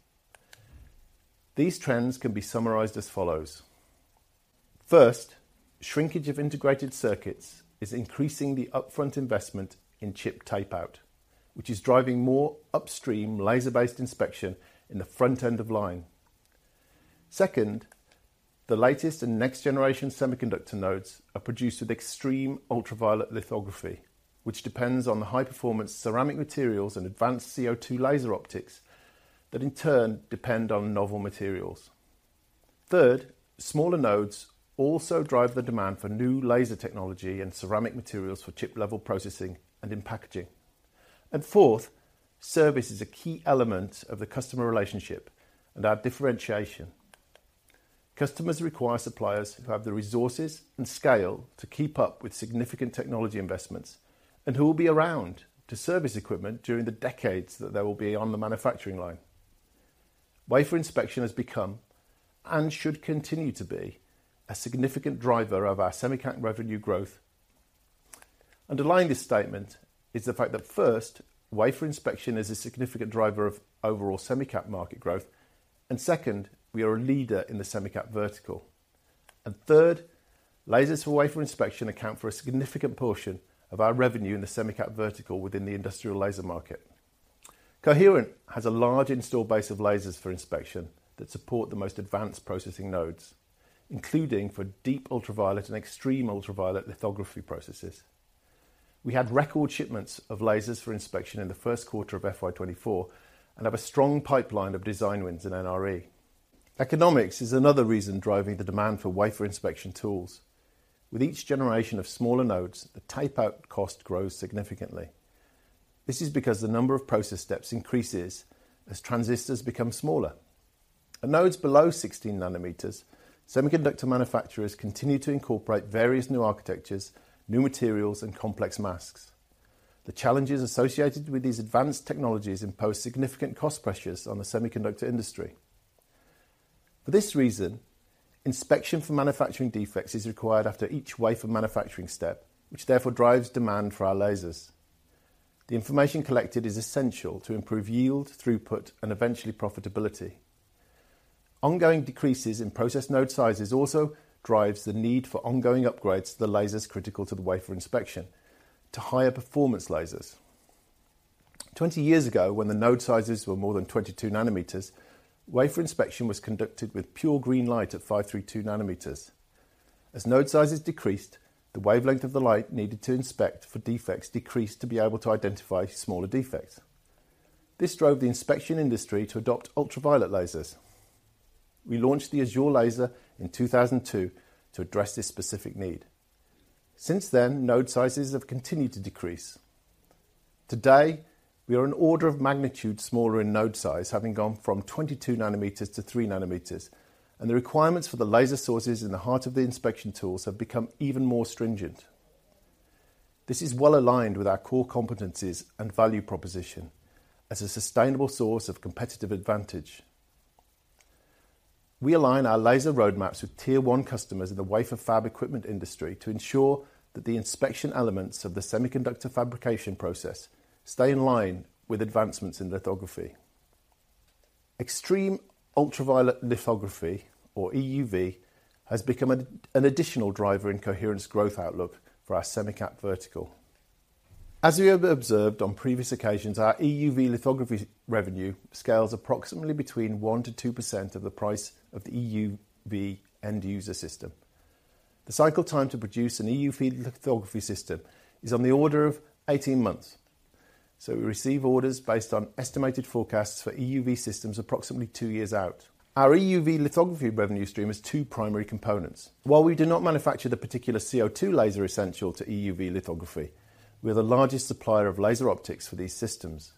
These trends can be summarized as follows: First, shrinkage of integrated circuits is increasing the upfront investment in chip tape-out, which is driving more upstream laser-based inspection in the front end of line. Second, the latest and next generation semiconductor nodes are produced with extreme ultraviolet lithography, which depends on the high-performance ceramic materials and advanced CO2 laser optics, that in turn depend on novel materials. Third, smaller nodes also drive the demand for new laser technology and ceramic materials for chip-level processing and in packaging. And fourth, service is a key element of the customer relationship and our differentiation. Customers require suppliers who have the resources and scale to keep up with significant technology investments, and who will be around to service equipment during the decades that they will be on the manufacturing line. Wafer inspection has become, and should continue to be, a significant driver of our semicap revenue growth. Underlying this statement is the fact that, first, wafer inspection is a significant driver of overall semicap market growth, and second, we are a leader in the semicap vertical, and third, lasers for wafer inspection account for a significant portion of our revenue in the semicap vertical within the industrial laser market. Coherent has a large installed base of lasers for inspection that support the most advanced processing nodes, including for deep ultraviolet and extreme ultraviolet lithography processes. We had record shipments of lasers for inspection in the first quarter of FY 2024 and have a strong pipeline of design wins in NRE. Economics is another reason driving the demand for wafer inspection tools. With each generation of smaller nodes, the tape-out cost grows significantly. This is because the number of process steps increases as transistors become smaller. At nodes below 16 nm, semiconductor manufacturers continue to incorporate various new architectures, new materials, and complex masks. The challenges associated with these advanced technologies impose significant cost pressures on the semiconductor industry. For this reason, inspection for manufacturing defects is required after each wafer manufacturing step, which therefore drives demand for our lasers. The information collected is essential to improve yield, throughput, and eventually profitability. Ongoing decreases in process node sizes also drives the need for ongoing upgrades to the lasers critical to the wafer inspection, to higher performance lasers. Twenty years ago, when the node sizes were more than 22 nm, wafer inspection was conducted with pure green light at 532 nm. As node sizes decreased, the wavelength of the light needed to inspect for defects decreased to be able to identify smaller defects. This drove the inspection industry to adopt ultraviolet lasers. We launched the Azure Laser in 2002 to address this specific need. Since then, node sizes have continued to decrease. Today, we are an order of magnitude smaller in node size, having gone from 22 nm to 3 nm, and the requirements for the laser sources in the heart of the inspection tools have become even more stringent. This is well aligned with our core competencies and value proposition as a sustainable source of competitive advantage. We align our laser roadmaps with tier one customers in the wafer fab equipment industry to ensure that the inspection elements of the semiconductor fabrication process stay in line with advancements in lithography. Extreme ultraviolet lithography, or EUV, has become an additional driver in Coherent's growth outlook for our semicap vertical. As we have observed on previous occasions, our EUV lithography revenue scales approximately between 1%-2% of the price of the EUV end-user system. The cycle time to produce an EUV lithography system is on the order of 18 months, so we receive orders based on estimated forecasts for EUV systems approximately two years out. Our EUV lithography revenue stream has two primary components. While we do not manufacture the particular CO2 laser essential to EUV lithography, we are the largest supplier of laser optics for these systems.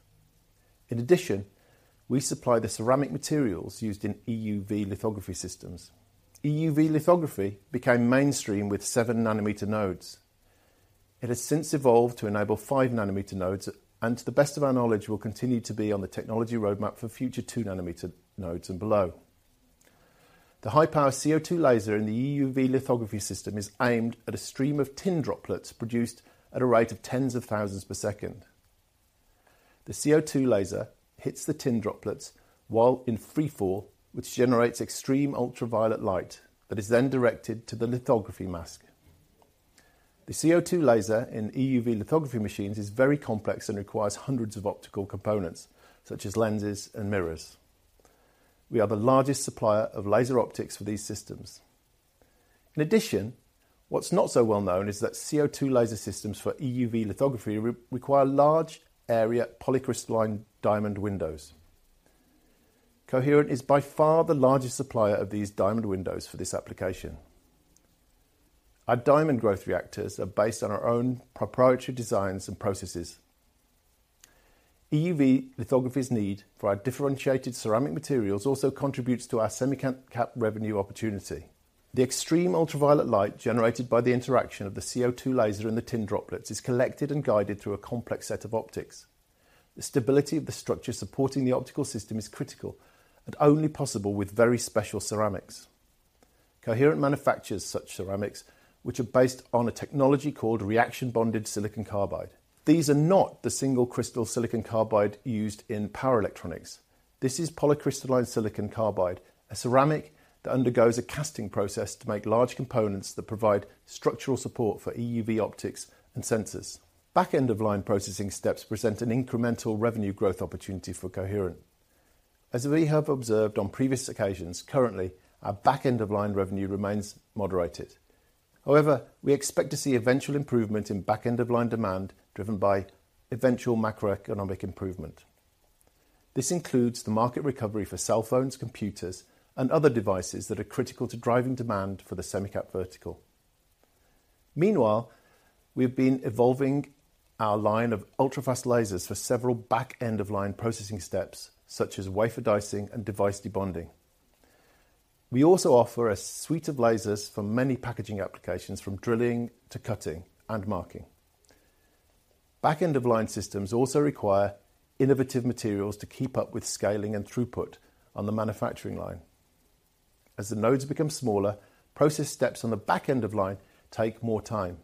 In addition, we supply the ceramic materials used in EUV lithography systems. EUV lithography became mainstream with 7 nm nodes. It has since evolved to enable 5 nm nodes, and to the best of our knowledge, will continue to be on the technology roadmap for future 2 nm nodes and below. The high-power CO2 laser in the EUV lithography system is aimed at a stream of tin droplets produced at a rate of tens of thousands per second. The CO2 laser hits the tin droplets while in free fall, which generates extreme ultraviolet light that is then directed to the lithography mask. The CO2 laser in EUV lithography machines is very complex and requires hundreds of optical components, such as lenses and mirrors. We are the largest supplier of laser optics for these systems. In addition, what's not so well known is that CO2 laser systems for EUV lithography require large area polycrystalline diamond windows. Coherent is by far the largest supplier of these diamond windows for this application. Our diamond growth reactors are based on our own proprietary designs and processes. EUV lithography's need for our differentiated ceramic materials also contributes to our semicon CapEx revenue opportunity. The extreme ultraviolet light generated by the interaction of the CO2 laser and the tin droplets is collected and guided through a complex set of optics. The stability of the structure supporting the optical system is critical and only possible with very special ceramics. Coherent manufactures such ceramics, which are based on a technology called reaction-bonded silicon carbide. These are not the single crystal silicon carbide used in power electronics. This is polycrystalline silicon carbide, a ceramic that undergoes a casting process to make large components that provide structural support for EUV optics and sensors. Back-end of line processing steps present an incremental revenue growth opportunity for Coherent. As we have observed on previous occasions, currently, our back-end of line revenue remains moderated. However, we expect to see eventual improvement in back-end of line demand, driven by eventual macroeconomic improvement. This includes the market recovery for cell phones, computers, and other devices that are critical to driving demand for the semicap vertical. Meanwhile, we've been evolving our line of ultra-fast lasers for several back-end of line processing steps, such as wafer dicing and device debonding. We also offer a suite of lasers for many packaging applications, from drilling to cutting and marking. Back-end of line systems also require innovative materials to keep up with scaling and throughput on the manufacturing line. As the nodes become smaller, process steps on the back-end of line take more time.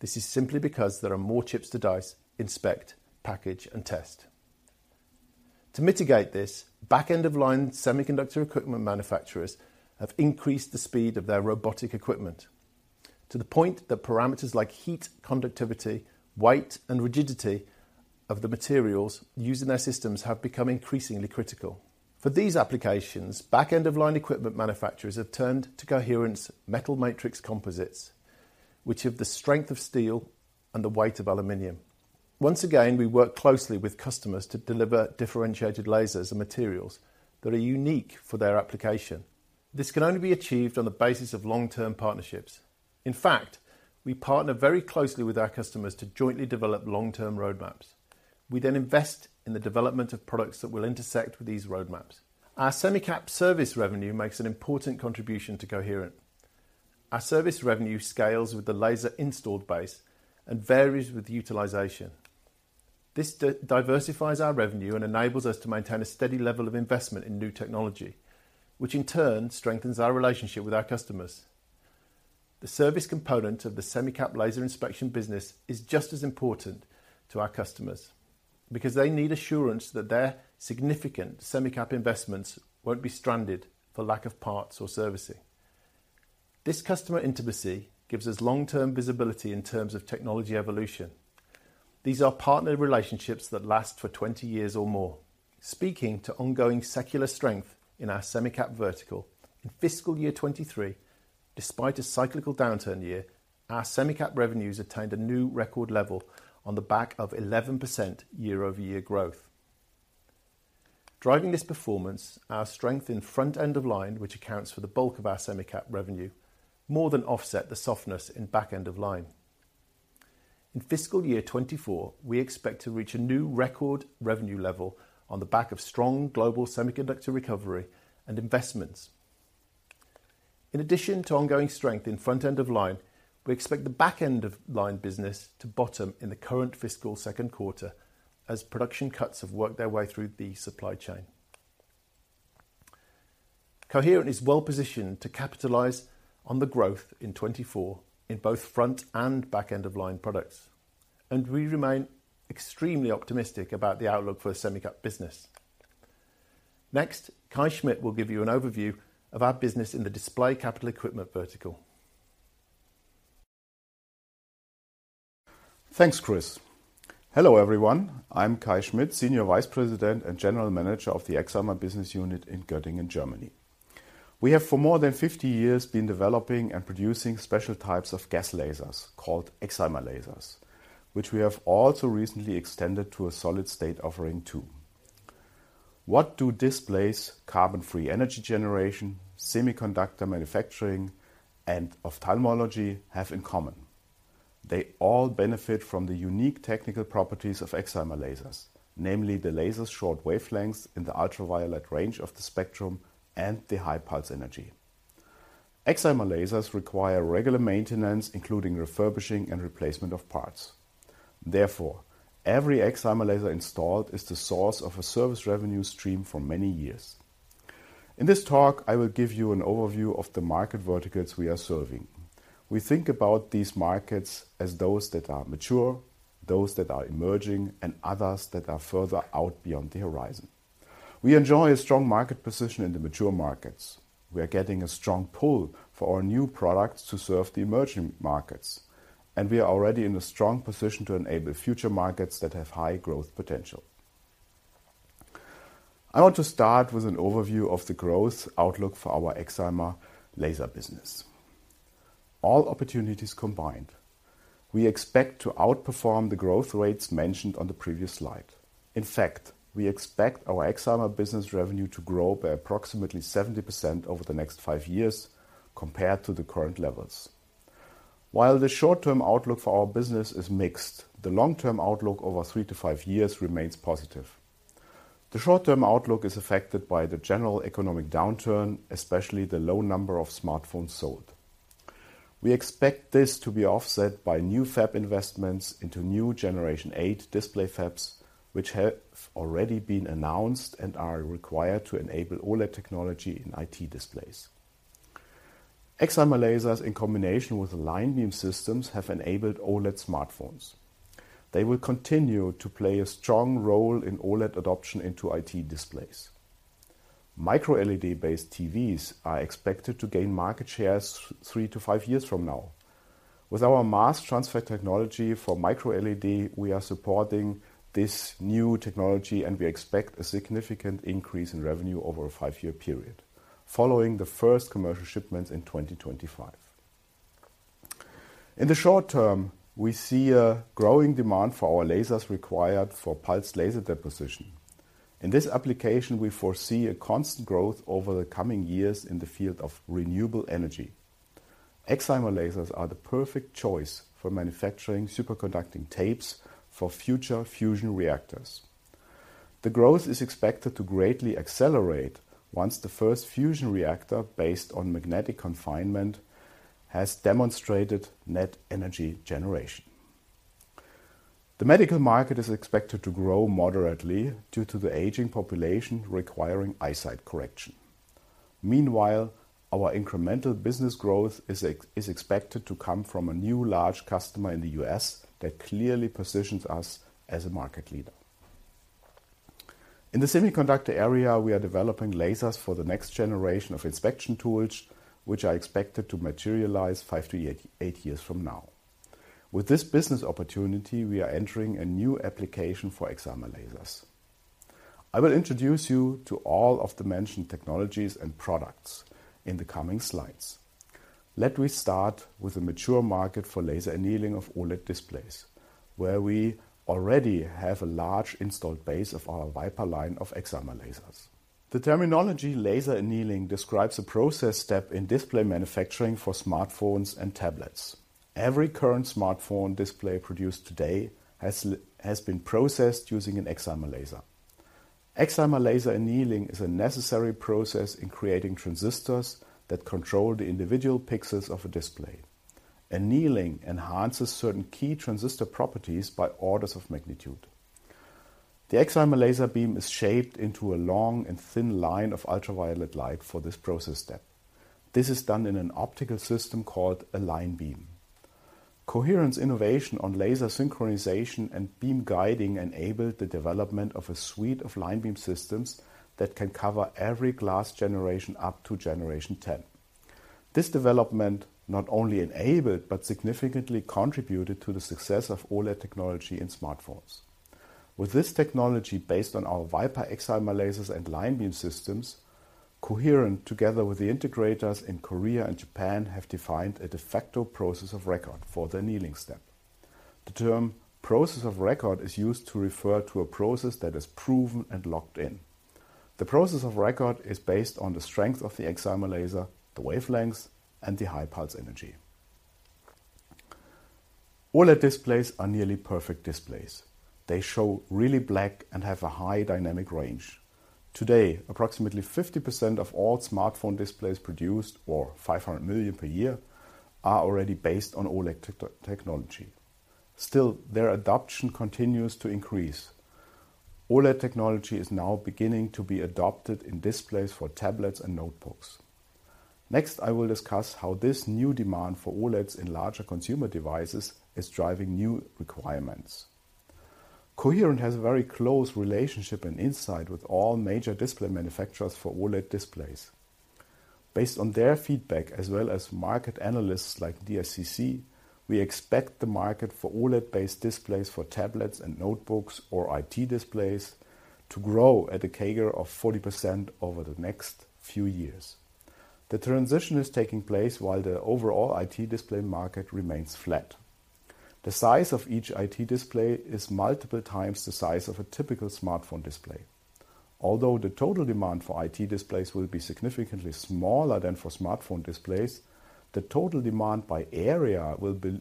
This is simply because there are more chips to dice, inspect, package, and test. To mitigate this, back end of line semiconductor equipment manufacturers have increased the speed of their robotic equipment to the point that parameters like heat, conductivity, weight, and rigidity of the materials used in their systems have become increasingly critical. For these applications, back end of line equipment manufacturers have turned to Coherent's metal matrix composites, which have the strength of steel and the weight of aluminum. Once again, we work closely with customers to deliver differentiated lasers and materials that are unique for their application. This can only be achieved on the basis of long-term partnerships. In fact, we partner very closely with our customers to jointly develop long-term roadmaps. We then invest in the development of products that will intersect with these roadmaps. Our semicap service revenue makes an important contribution to Coherent. Our service revenue scales with the laser installed base and varies with utilization... This diversifies our revenue and enables us to maintain a steady level of investment in new technology, which in turn strengthens our relationship with our customers. The service component of the semicap laser inspection business is just as important to our customers, because they need assurance that their significant semicap investments won't be stranded for lack of parts or servicing. This customer intimacy gives us long-term visibility in terms of technology evolution. These are partner relationships that last for 20 years or more. Speaking to ongoing secular strength in our semicap vertical, in fiscal year 2023, despite a cyclical downturn year, our semicap revenues attained a new record level on the back of 11% year-over-year growth. Driving this performance, our strength in front end of line, which accounts for the bulk of our semicap revenue, more than offset the softness in back end of line. In fiscal year 2024, we expect to reach a new record revenue level on the back of strong global semiconductor recovery and investments. In addition to ongoing strength in front end of line, we expect the back end of line business to bottom in the current fiscal second quarter, as production cuts have worked their way through the supply chain. Coherent is well positioned to capitalize on the growth in 2024 both front end of line and back end of line products, and we remain extremely optimistic about the outlook for the semicap business. Next, Kai Schmidt will give you an overview of our business in the display capital equipment vertical. Thanks, Chris. Hello, everyone. I'm Kai Schmidt, Senior Vice President and General Manager of the Excimer Business Unit in Göttingen, Germany. We have, for more than 50 years, been developing and producing special types of gas lasers called excimer lasers, which we have also recently extended to a solid-state offering, too. What do displays, carbon-free energy generation, semiconductor manufacturing, and ophthalmology have in common? They all benefit from the unique technical properties of excimer lasers, namely the laser's short wavelengths in the ultraviolet range of the spectrum and the high pulse energy. Excimer lasers require regular maintenance, including refurbishing and replacement of parts. Therefore, every excimer laser installed is the source of a service revenue stream for many years. In this talk, I will give you an overview of the market verticals we are serving. We think about these markets as those that are mature, those that are emerging, and others that are further out beyond the horizon. We enjoy a strong market position in the mature markets. We are getting a strong pull for our new products to serve the emerging markets, and we are already in a strong position to enable future markets that have high growth potential. I want to start with an overview of the growth outlook for our Excimer Laser business. All opportunities combined, we expect to outperform the growth rates mentioned on the previous slide. In fact, we expect our Excimer business revenue to grow by approximately 70% over the next five years compared to the current levels. While the short-term outlook for our business is mixed, the long-term outlook over three to five years remains positive. The short-term outlook is affected by the general economic downturn, especially the low number of smartphones sold. We expect this to be offset by new fab investments into new Generation 8 display fabs, which have already been announced and are required to enable OLED technology in IT displays. Excimer lasers, in combination with line beam systems, have enabled OLED smartphones. They will continue to play a strong role in OLED adoption into IT displays. MicroLED-based TVs are expected to gain market shares three to five years from now. With our mass transfer technology for MicroLED, we are supporting this new technology, and we expect a significant increase in revenue over a five-year period, following the first commercial shipments in 2025. In the short term, we see a growing demand for our lasers required for pulsed laser deposition. In this application, we foresee a constant growth over the coming years in the field of renewable energy. Excimer lasers are the perfect choice for manufacturing superconducting tapes for future fusion reactors. The growth is expected to greatly accelerate once the first fusion reactor, based on magnetic confinement, has demonstrated net energy generation. The medical market is expected to grow moderately due to the aging population requiring eyesight correction. Meanwhile, our incremental business growth is expected to come from a new large customer in the U.S. that clearly positions us as a market leader. In the semiconductor area, we are developing lasers for the next generation of inspection tools, which are expected to materialize five to eight years from now. With this business opportunity, we are entering a new application for excimer lasers. I will introduce you to all of the mentioned technologies and products in the coming slides. Let's start with a mature market for laser annealing of OLED displays, where we already have a large installed base of our VYPER line of excimer lasers. The terminology laser annealing describes a process step in display manufacturing for smartphones and tablets. Every current smartphone display produced today has been processed using an excimer laser. Excimer laser annealing is a necessary process in creating transistors that control the individual pixels of a display. Annealing enhances certain key transistor properties by orders of magnitude. The excimer laser beam is shaped into a long and thin line of ultraviolet light for this process step. This is done in an optical system called a line beam. Coherent's innovation on laser synchronization and beam guiding enabled the development of a suite of line beam systems that can cover every glass generation up to Generation 10. This development not only enabled but significantly contributed to the success of OLED technology in smartphones. With this technology, based on our VYPER excimer lasers and line beam systems, Coherent, together with the integrators in Korea and Japan, have defined a de facto process of record for the annealing step. The term process of record is used to refer to a process that is proven and locked in. The process of record is based on the strength of the excimer laser, the wavelengths, and the high pulse energy. OLED displays are nearly perfect displays. They show really black and have a high dynamic range. Today, approximately 50% of all smartphone displays produced, or 500 million per year, are already based on OLED technology. Still, their adoption continues to increase. OLED technology is now beginning to be adopted in displays for tablets and notebooks. Next, I will discuss how this new demand for OLEDs in larger consumer devices is driving new requirements. Coherent has a very close relationship and insight with all major display manufacturers for OLED displays. Based on their feedback, as well as market analysts like DSCC, we expect the market for OLED-based displays for tablets and notebooks, or IT displays, to grow at a CAGR of 40% over the next few years. The transition is taking place while the overall IT display market remains flat. The size of each IT display is multiple times the size of a typical smartphone display. Although the total demand for IT displays will be significantly smaller than for smartphone displays, the total demand by area will be.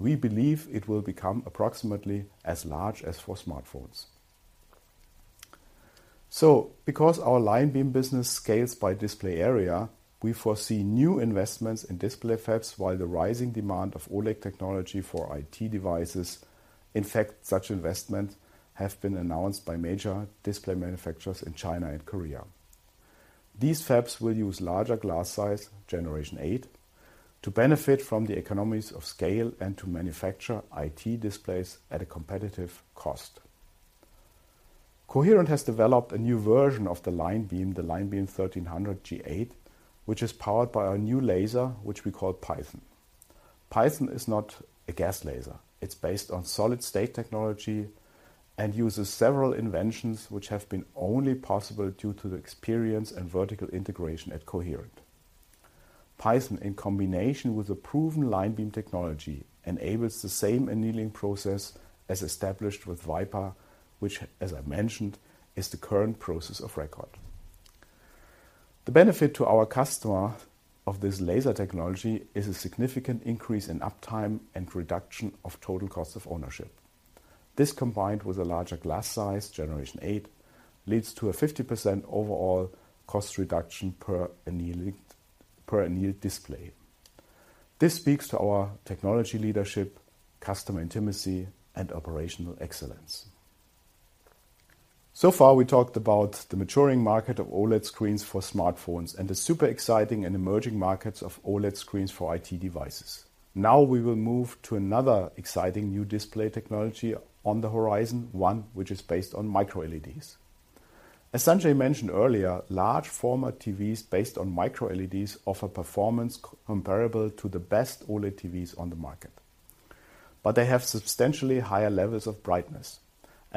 We believe it will become approximately as large as for smartphones. So, because our line beam business scales by display area, we foresee new investments in display fabs, while the rising demand of OLED technology for IT devices. In fact, such investments have been announced by major display manufacturers in China and Korea. These fabs will use larger glass size, Generation 8, to benefit from the economies of scale and to manufacture IT displays at a competitive cost. Coherent has developed a new version of the line beam, the LineBeam 1300-G8, which is powered by our new laser, which we call PYTHON. PYTHON is not a gas laser. It's based on solid-state technology and uses several inventions, which have been only possible due to the experience and vertical integration at Coherent. PYTHON, in combination with the proven line beam technology, enables the same annealing process as established with VYPER, which, as I mentioned, is the current process of record. The benefit to our customer of this laser technology is a significant increase in uptime and reduction of total cost of ownership. This, combined with a larger glass size, Generation 8, leads to a 50% overall cost reduction per annealing, per annealed display. This speaks to our technology leadership, customer intimacy, and operational excellence. So far, we talked about the maturing market of OLED screens for smartphones and the super exciting and emerging markets of OLED screens for IT devices. Now, we will move to another exciting new display technology on the horizon, one which is based on MicroLEDs. As Sanjai mentioned earlier, large format TVs based on MicroLEDs offer performance comparable to the best OLED TVs on the market, but they have substantially higher levels of brightness,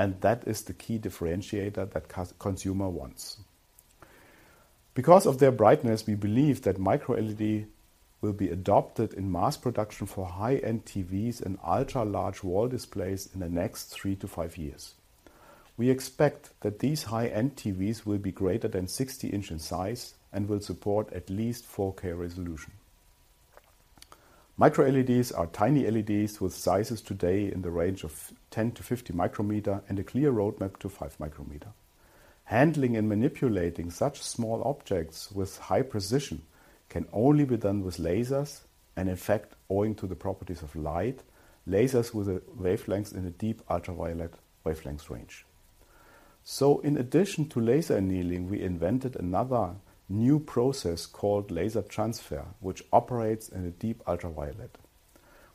and that is the key differentiator that consumer wants. Because of their brightness, we believe that MicroLED will be adopted in mass production for high-end TVs and ultra-large wall displays in the next three to five years. We expect that these high-end TVs will be greater than 60 inches in size and will support at least 4K resolution. MicroLEDs are tiny LEDs with sizes today in the range of 10 μm-50 μm and a clear roadmap to 5 μm. Handling and manipulating such small objects with high precision can only be done with lasers, and in fact, owing to the properties of light, lasers with a wavelength in the deep ultraviolet wavelength range. So in addition to laser annealing, we invented another new process called laser transfer, which operates in a deep ultraviolet.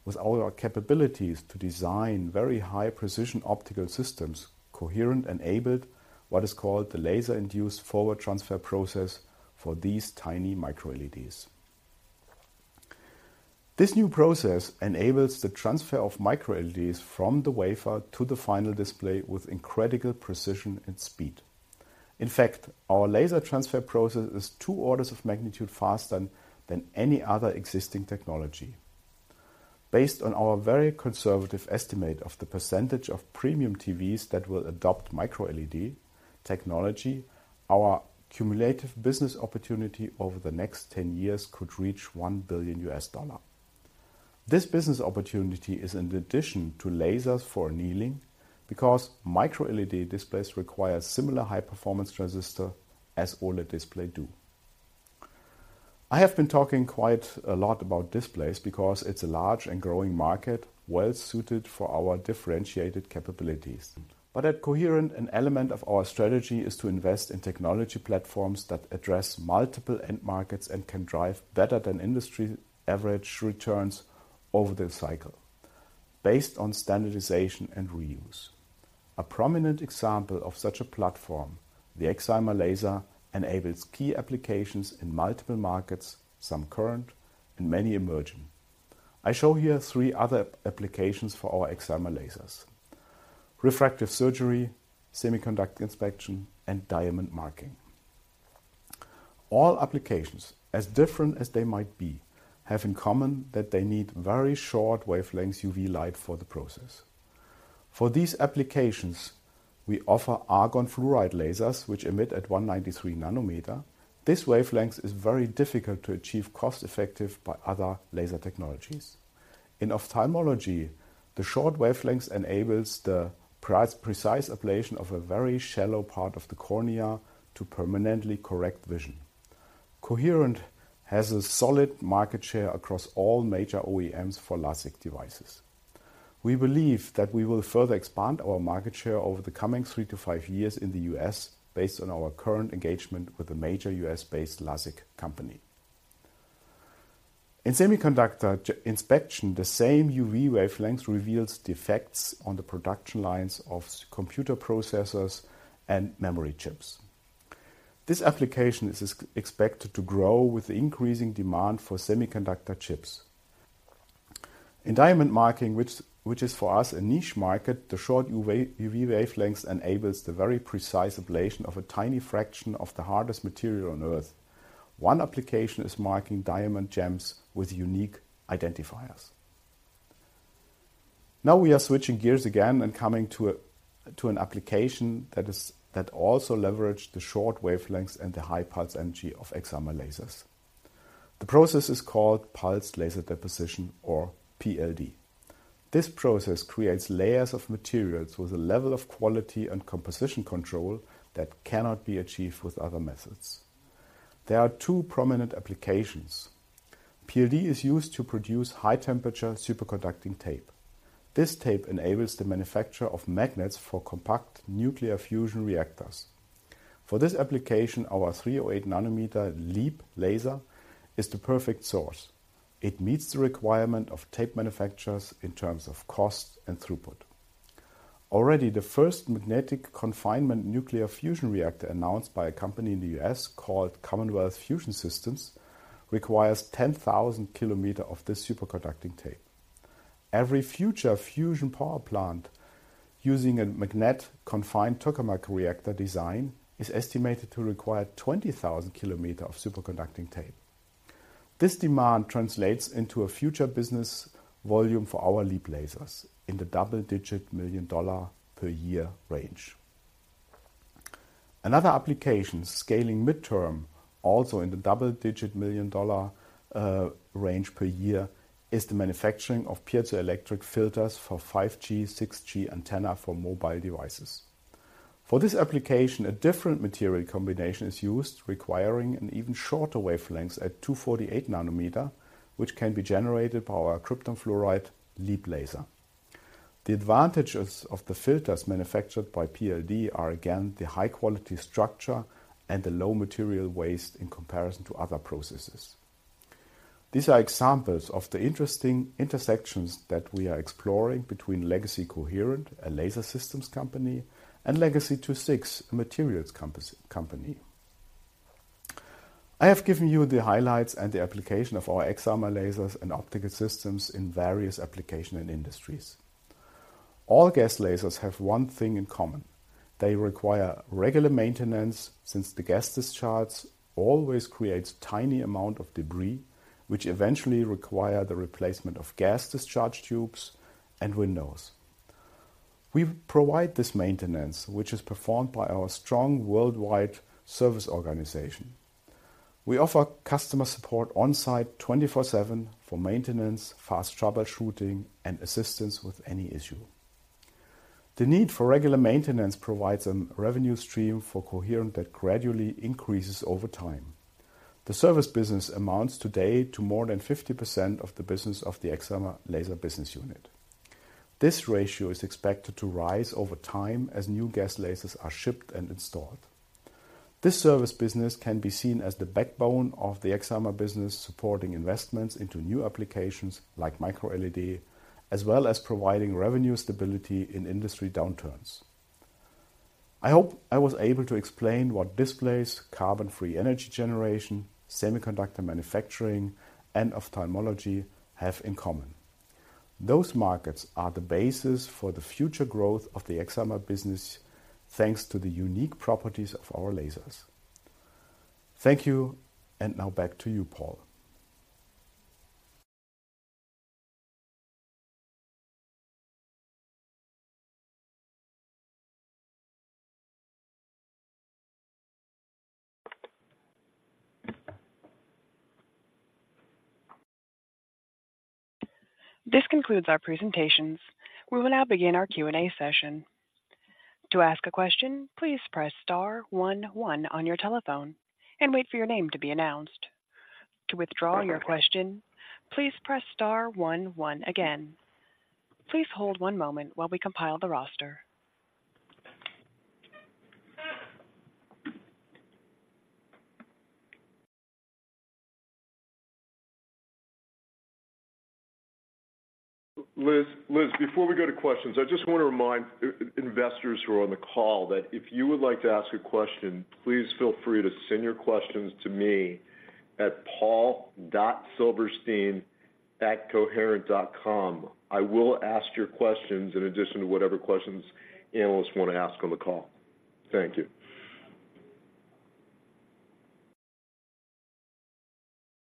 With all our capabilities to design very high-precision optical systems, Coherent enabled what is called the laser-induced forward transfer process for these tiny MicroLEDs. This new process enables the transfer of MicroLEDs from the wafer to the final display with incredible precision and speed. In fact, our laser transfer process is two orders of magnitude faster than any other existing technology. Based on our very conservative estimate of the percentage of premium TVs that will adopt MicroLED technology, our cumulative business opportunity over the next 10 years could reach $1 billion. This business opportunity is in addition to lasers for annealing, because MicroLED displays require similar high-performance transistor as all the display do. I have been talking quite a lot about displays because it's a large and growing market, well-suited for our differentiated capabilities. At Coherent, an element of our strategy is to invest in technology platforms that address multiple end markets and can drive better than industry average returns over the cycle, based on standardization and reuse. A prominent example of such a platform, the excimer laser, enables key applications in multiple markets, some current and many emerging. I show here three other applications for our excimer lasers: refractive surgery, semiconductor inspection, and diamond marking. All applications, as different as they might be, have in common that they need very short wavelengths UV light for the process. For these applications, we offer argon fluoride lasers, which emit at 193 nm. This wavelength is very difficult to achieve cost-effective by other laser technologies. In ophthalmology, the short wavelengths enables the precise ablation of a very shallow part of the cornea to permanently correct vision. Coherent has a solid market share across all major OEMs for LASIK devices. We believe that we will further expand our market share over the coming three to five years in the U.S., based on our current engagement with a major U.S.-based LASIK company. In semiconductor inspection, the same UV wavelength reveals defects on the production lines of computer processors and memory chips. This application is expected to grow with the increasing demand for semiconductor chips. In diamond marking, which is for us a niche market, the short UV wavelengths enable the very precise ablation of a tiny fraction of the hardest material on Earth. One application is marking diamond gems with unique identifiers. Now, we are switching gears again and coming to an application that also leverages the short wavelengths and the high pulse energy of excimer lasers. The process is called pulsed laser deposition, or PLD. This process creates layers of materials with a level of quality and composition control that cannot be achieved with other methods. There are two prominent applications. PLD is used to produce high-temperature superconducting tape. This tape enables the manufacture of magnets for compact nuclear fusion reactors. For this application, our 308 nm LEAP laser is the perfect source. It meets the requirement of tape manufacturers in terms of cost and throughput. Already, the first magnetic confinement nuclear fusion reactor, announced by a company in the U.S. called Commonwealth Fusion Systems, requires 10,000 km of this superconducting tape. Every future fusion power plant using a magnet confined tokamak reactor design is estimated to require 20,000 km of superconducting tape. This demand translates into a future business volume for our LEAP lasers in the double-digit million dollar per year range. Another application, scaling midterm, also in the double-digit million-dollar range per year, is the manufacturing of piezoelectric filters for 5G, 6G antenna for mobile devices. For this application, a different material combination is used, requiring an even shorter wavelength at 248 nm, which can be generated by our krypton fluoride LEAP laser. The advantages of the filters manufactured by PLD are, again, the high-quality structure and the low material waste in comparison to other processes. These are examples of the interesting intersections that we are exploring between legacy Coherent, a laser systems company, and legacy II-VI, a materials components company. I have given you the highlights and the application of our excimer lasers and optical systems in various applications and industries. All gas lasers have one thing in common: they require regular maintenance, since the gas discharge always creates tiny amount of debris, which eventually require the replacement of gas discharge tubes and windows. We provide this maintenance, which is performed by our strong worldwide service organization. We offer customer support on-site, 24/7, for maintenance, fast troubleshooting, and assistance with any issue. The need for regular maintenance provides a revenue stream for Coherent that gradually increases over time. The service business amounts today to more than 50% of the business Excimer Laser Business Unit. this ratio is expected to rise over time as new gas lasers are shipped and installed. This service business can be seen as the backbone of the Excimer business, supporting investments into new applications like MicroLED, as well as providing revenue stability in industry downturns. I hope I was able to explain what displays, carbon-free energy generation, semiconductor manufacturing, and ophthalmology have in common. Those markets are the basis for the future growth of the Excimer business, thanks to the unique properties of our lasers. Thank you, and now back to you, Paul. This concludes our presentations. We will now begin our Q&A session. To ask a question, please press star one one on your telephone and wait for your name to be announced. To withdraw your question, please press star one one again. Please hold one moment while we compile the roster. Liz, Liz, before we go to questions, I just want to remind investors who are on the call that if you would like to ask a question, please feel free to send your questions to me at paul.silverstein@coherent.com. I will ask your questions in addition to whatever questions analysts want to ask on the call. Thank you.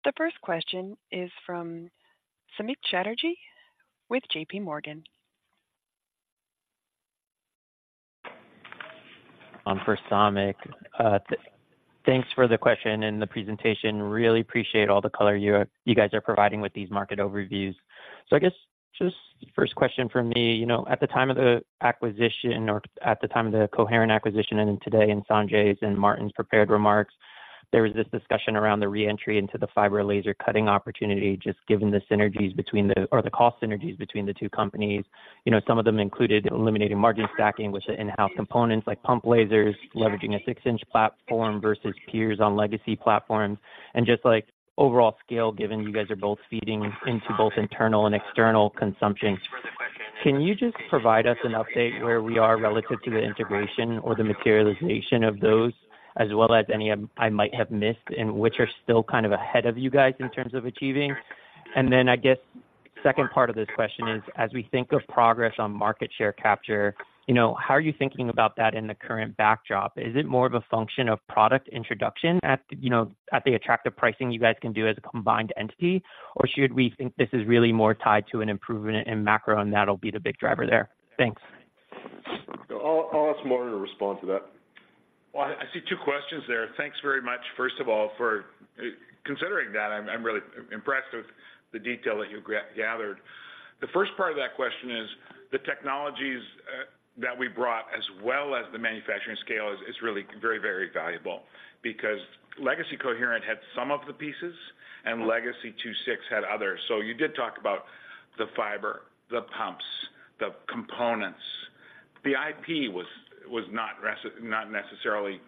The first question is from Samik Chatterjee with JPMorgan. For Samik. Thanks for the question and the presentation. Really appreciate all the color you guys are providing with these market overviews. So I guess just the first question from me, you know, at the time of the acquisition or at the time of the Coherent acquisition, and then today in Sanjai's and Martin's prepared remarks, there was this discussion around the re-entry into the fiber laser cutting opportunity, just given the synergies between the... or the cost synergies between the two companies. You know, some of them included eliminating margin stacking, which is in-house components like pump lasers, leveraging a six-inch platform versus peers on legacy platforms, and just, like, overall scale, given you guys are both feeding into both internal and external consumption. Can you just provide us an update where we are relative to the integration or the materialization of those, as well as any I might have missed, and which are still kind of ahead of you guys in terms of achieving? And then I guess, second part of this question is: as we think of progress on market share capture, you know, how are you thinking about that in the current backdrop? Is it more of a function of product introduction at, you know, at the attractive pricing you guys can do as a combined entity? Or should we think this is really more tied to an improvement in macro, and that'll be the big driver there? Thanks. I'll ask Martin to respond to that. Well, I see two questions there. Thanks very much, first of all, for considering that. I'm really impressed with the detail that you gathered. The first part of that question is the technologies that we brought, as well as the manufacturing scale, is really very, very valuable because legacy Coherent had some of the pieces and legacy II-VI had others. So you did talk about the fiber, the pumps, the components. The IP was not necessarily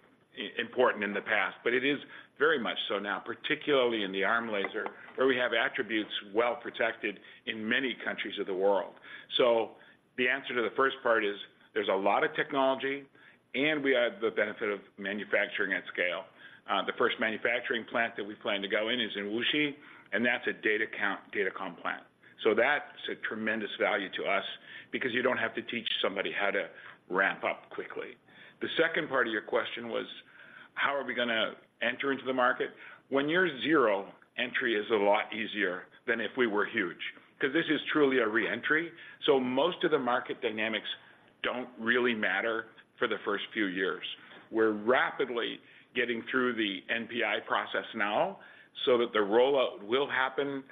important in the past, but it is very much so now, particularly in the ARM laser, where we have attributes well protected in many countries of the world. So the answer to the first part is, there's a lot of technology, and we have the benefit of manufacturing at scale. The first manufacturing plant that we plan to go in is in Wuxi, and that's a datacom plant. So that's a tremendous value to us because you don't have to teach somebody how to ramp up quickly. The second part of your question was, how are we gonna enter into the market? When you're zero, entry is a lot easier than if we were huge, 'cause this is truly a re-entry. So most of the market dynamics don't really matter for the first few years. We're rapidly getting through the NPI process now so that the rollout will happen.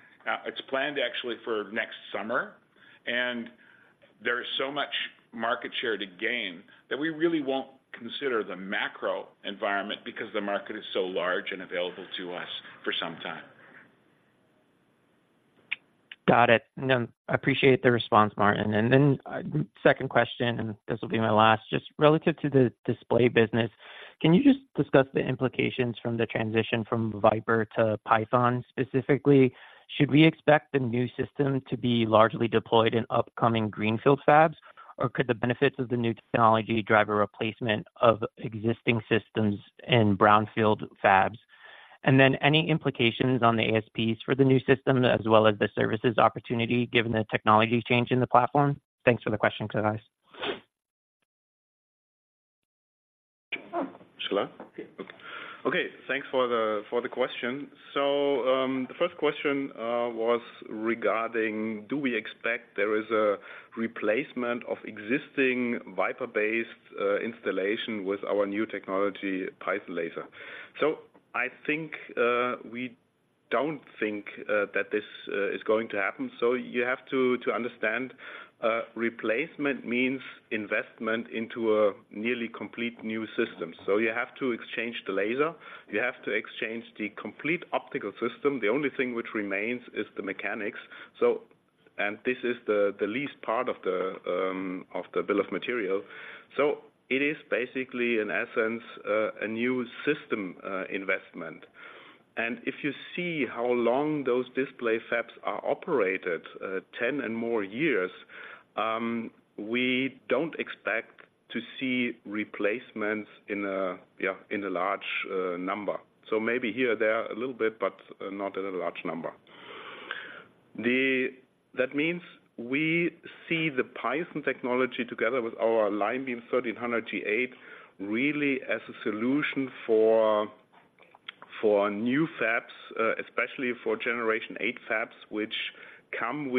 It's planned actually for next summer, and there is so much market share to gain that we really won't consider the macro environment because the market is so large and available to us for some time. Got it. No, I appreciate the response, Martin. And then, second question, and this will be my last. Just relative to the display business, can you just discuss the implications from the transition from VYPER to PYTHON specifically? Should we expect the new system to be largely deployed in upcoming greenfield fabs, or could the benefits of the new technology drive a replacement of existing systems in brownfield fabs? And then, any implications on the ASPs for the new system, as well as the services opportunity, given the technology change in the platform? Thanks for the question, guys. Shall I? Okay, okay. Thanks for the question. So, the first question was regarding, do we expect there is a replacement of existing VYPER-based installation with our new technology, PYTHON laser? So I think we don't think that this is going to happen. So you have to understand, replacement means investment into a nearly complete new system. So you have to exchange the laser, you have to exchange the complete optical system. The only thing which remains is the mechanics. So... and this is the least part of the bill of material. So it is basically, in essence, a new system investment. And if you see how long those display fabs are operated, 10 and more years, we don't expect to see replacements in a, yeah, in a large number. So maybe here or there, a little bit, but, not in a large number. That means we see the PYTHON technology together with our LineBeam 1300-G8, really as a solution for new fabs, especially for Generation 8 fabs, which come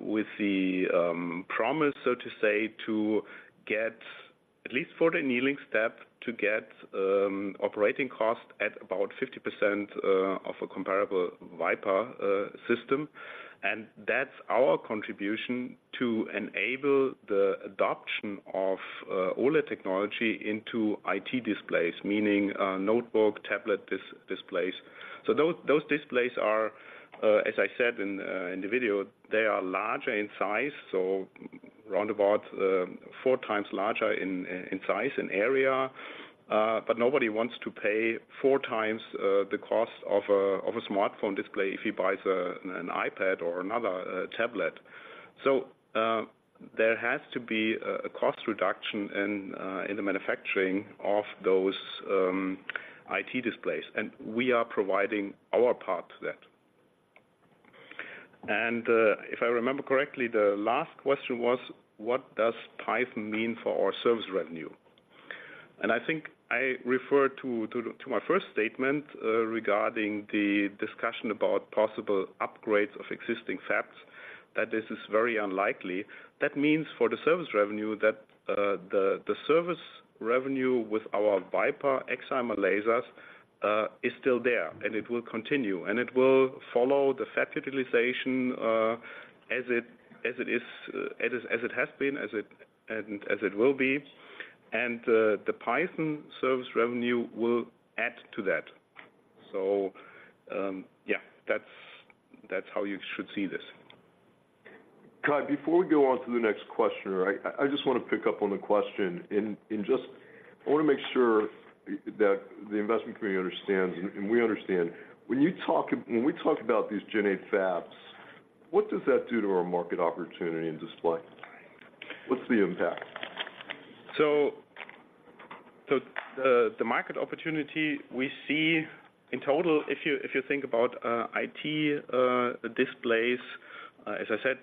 with the promise, so to say, to get at least for the annealing step, to get operating costs at about 50% of a comparable VYPER system. And that's our contribution to enable the adoption of all the technology into IT displays, meaning notebook, tablet displays. So those displays are, as I said in the video, they are larger in size, so roundabout 4x larger in size and area. But nobody wants to pay four times the cost of a smartphone display if he buys an iPad or another tablet. So, there has to be a cost reduction in the manufacturing of those IT displays, and we are providing our part to that. And if I remember correctly, the last question was: What does PYTHON mean for our service revenue? And I think I refer to my first statement regarding the discussion about possible upgrades of existing fabs, that this is very unlikely. That means for the service revenue, the service revenue with our VYPER excimer lasers is still there, and it will continue, and it will follow the fab utilization, as it is, as it has been, and as it will be. And the PYTHON service revenue will add to that. So, yeah, that's how you should see this. Kai, before we go on to the next question, I just want to pick up on the question. And just, I want to make sure that the investment community understands, and we understand. When we talk about these Gen 8 fabs, what does that do to our market opportunity in display? What's the impact? So, the market opportunity we see in total, if you think about IT displays, as I said,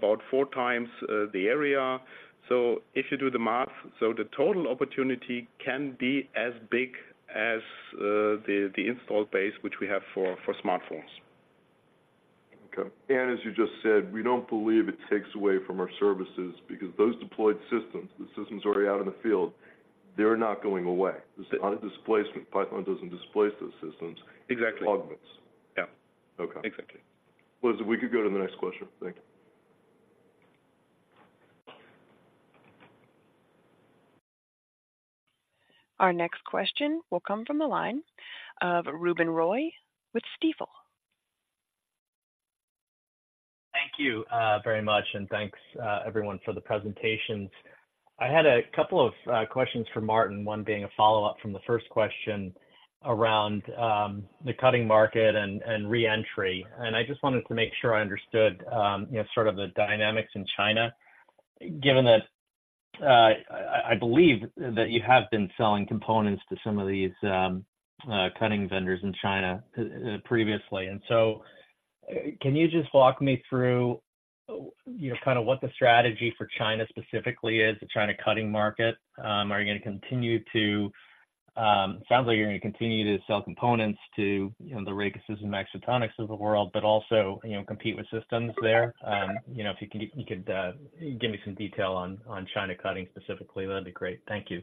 about four times the area. So if you do the math, the total opportunity can be as big as the installed base, which we have for smartphones. Okay. As you just said, we don't believe it takes away from our services because those deployed systems, the systems already out in the field, they're not going away. Yes. On a displacement, PYTHON doesn't displace those systems- Exactly. It augments. Yeah. Okay. Exactly. Well, if we could go to the next question. Thank you. Our next question will come from the line of Ruben Roy with Stifel. Thank you, very much, and thanks, everyone, for the presentations. I had a couple of questions for Martin, one being a follow-up from the first question around the cutting market and re-entry. I just wanted to make sure I understood, you know, sort of the dynamics in China, given that I believe that you have been selling components to some of these cutting vendors in China previously. So, can you just walk me through, you know, kind of what the strategy for China specifically is, the China cutting market? Are you gonna continue to... It sounds like you're gonna continue to sell components to, you know, the Raycuses and Maxphotonics of the world, but also, you know, compete with systems there. You know, if you could give me some detail on China cutting specifically, that'd be great. Thank you.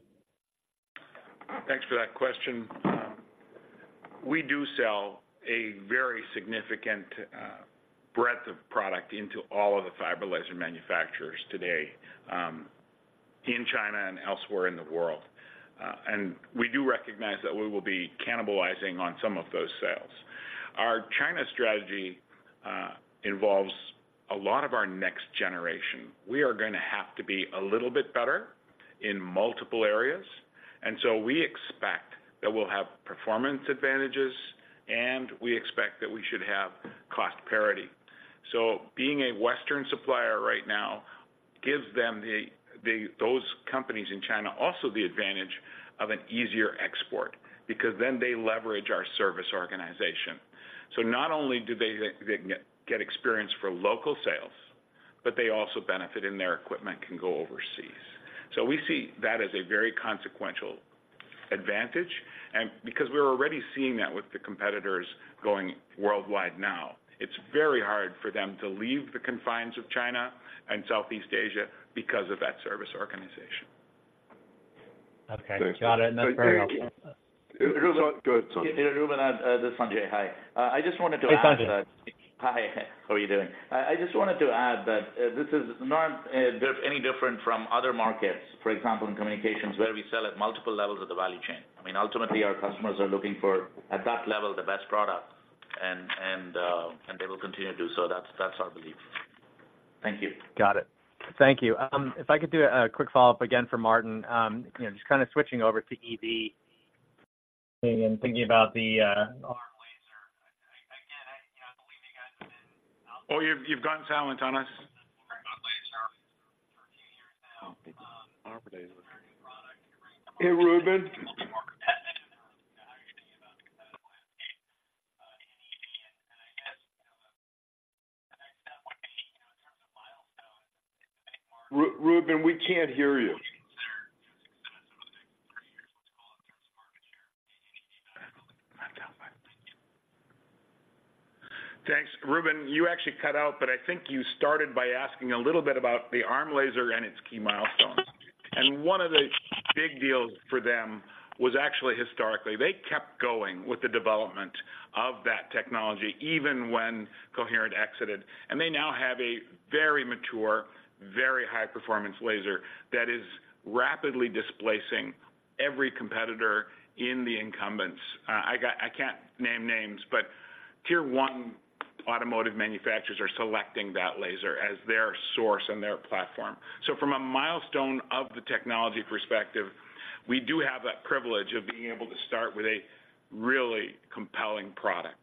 Thanks for that question. We do sell a very significant breadth of product into all of the fiber laser manufacturers today, in China and elsewhere in the world. And we do recognize that we will be cannibalizing on some of those sales. Our China strategy involves a lot of our next generation. We are gonna have to be a little bit better in multiple areas, and so we expect that we'll have performance advantages, and we expect that we should have cost parity. So being a Western supplier right now gives them those companies in China also the advantage of an easier export, because then they leverage our service organization. So not only do they get experience for local sales, but they also benefit, and their equipment can go overseas. So we see that as a very consequential advantage, and because we're already seeing that with the competitors going worldwide now, it's very hard for them to leave the confines of China and Southeast Asia because of that service organization. Okay. Thanks. Got it. That's very helpful. Go ahead, Sanjai. Hey, Ruben, this is Sanjai. Hi. I just wanted to add- Hey, Sanjai. Hi, how are you doing? I, I just wanted to add that, this is not any different from other markets, for example, in communications, where we sell at multiple levels of the value chain. I mean, ultimately, our customers are looking for, at that level, the best product, and, and, and they will continue to do so. That's, that's our belief. Thank you. Got it. Thank you. If I could do a quick follow-up again for Martin. You know, just kind of switching over to EV and thinking about our laser- Oh, you've gotten silent on us. Our laser for a few years now. Oh, laser. Hey, Ruben. How are you thinking about the competitive landscape in EV, and I guess, you know, the next step would be, you know, in terms of milestones, any more- Ruben, we can't hear you. Thanks, Ruben. You actually cut out, but I think you started by asking a little bit about the ARM laser and its key milestones. And one of the big deals for them was actually historically, they kept going with the development of that technology, even when Coherent exited. And they now have a very mature, very high-performance laser that is rapidly displacing every competitor in the incumbents. I can't name names, but tier one automotive manufacturers are selecting that laser as their source and their platform. So from a milestone of the technology perspective, we do have that privilege of being able to start with a really compelling product.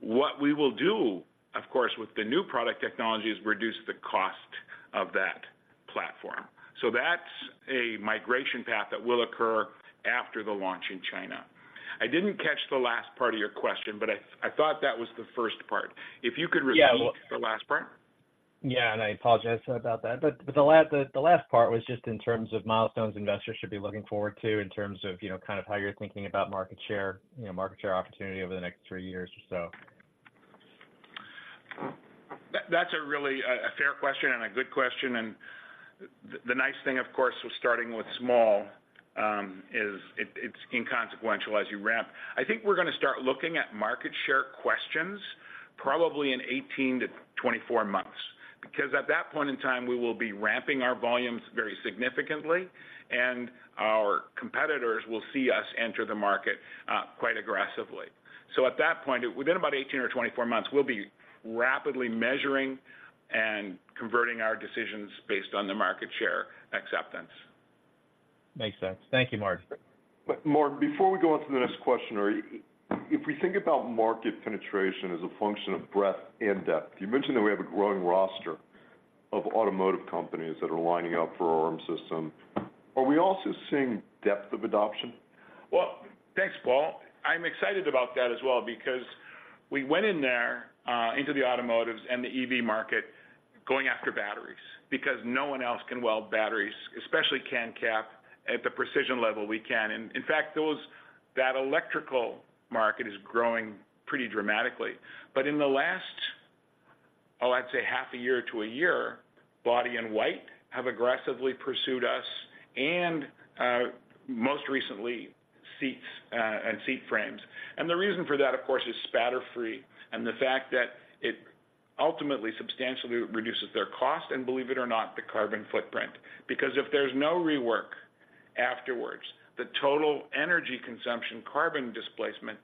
What we will do, of course, with the new product technology, is reduce the cost of that platform. So that's a migration path that will occur after the launch in China. I didn't catch the last part of your question, but I thought that was the first part. If you could repeat the last part? Yeah, and I apologize about that. But the last part was just in terms of milestones investors should be looking forward to in terms of, you know, kind of how you're thinking about market share, you know, market share opportunity over the next three years or so. That, that's a really fair question and a good question. And the nice thing, of course, with starting with small, is it's inconsequential as you ramp. I think we're gonna start looking at market share questions probably in 18-24 months, because at that point in time, we will be ramping our volumes very significantly, and our competitors will see us enter the market quite aggressively. So at that point, within about 18 or 24 months, we'll be rapidly measuring and converting our decisions based on the market share acceptance. Makes sense. Thank you, Martin. Martin, before we go on to the next question, if we think about market penetration as a function of breadth and depth, you mentioned that we have a growing roster of automotive companies that are lining up for our ARM system. Are we also seeing depth of adoption? Well, thanks, Paul. I'm excited about that as well, because we went in there into the automotives and the EV market, going after batteries, because no one else can weld batteries, especially can-cap at the precision level we can. And in fact, that electrical market is growing pretty dramatically. But in the last, oh, I'd say half a year to a year, Body-in-White have aggressively pursued us and, most recently, seats and seat frames. And the reason for that, of course, is spatter-free, and the fact that it ultimately substantially reduces their cost, and believe it or not, the carbon footprint. Because if there's no rework afterwards, the total energy consumption, carbon displacement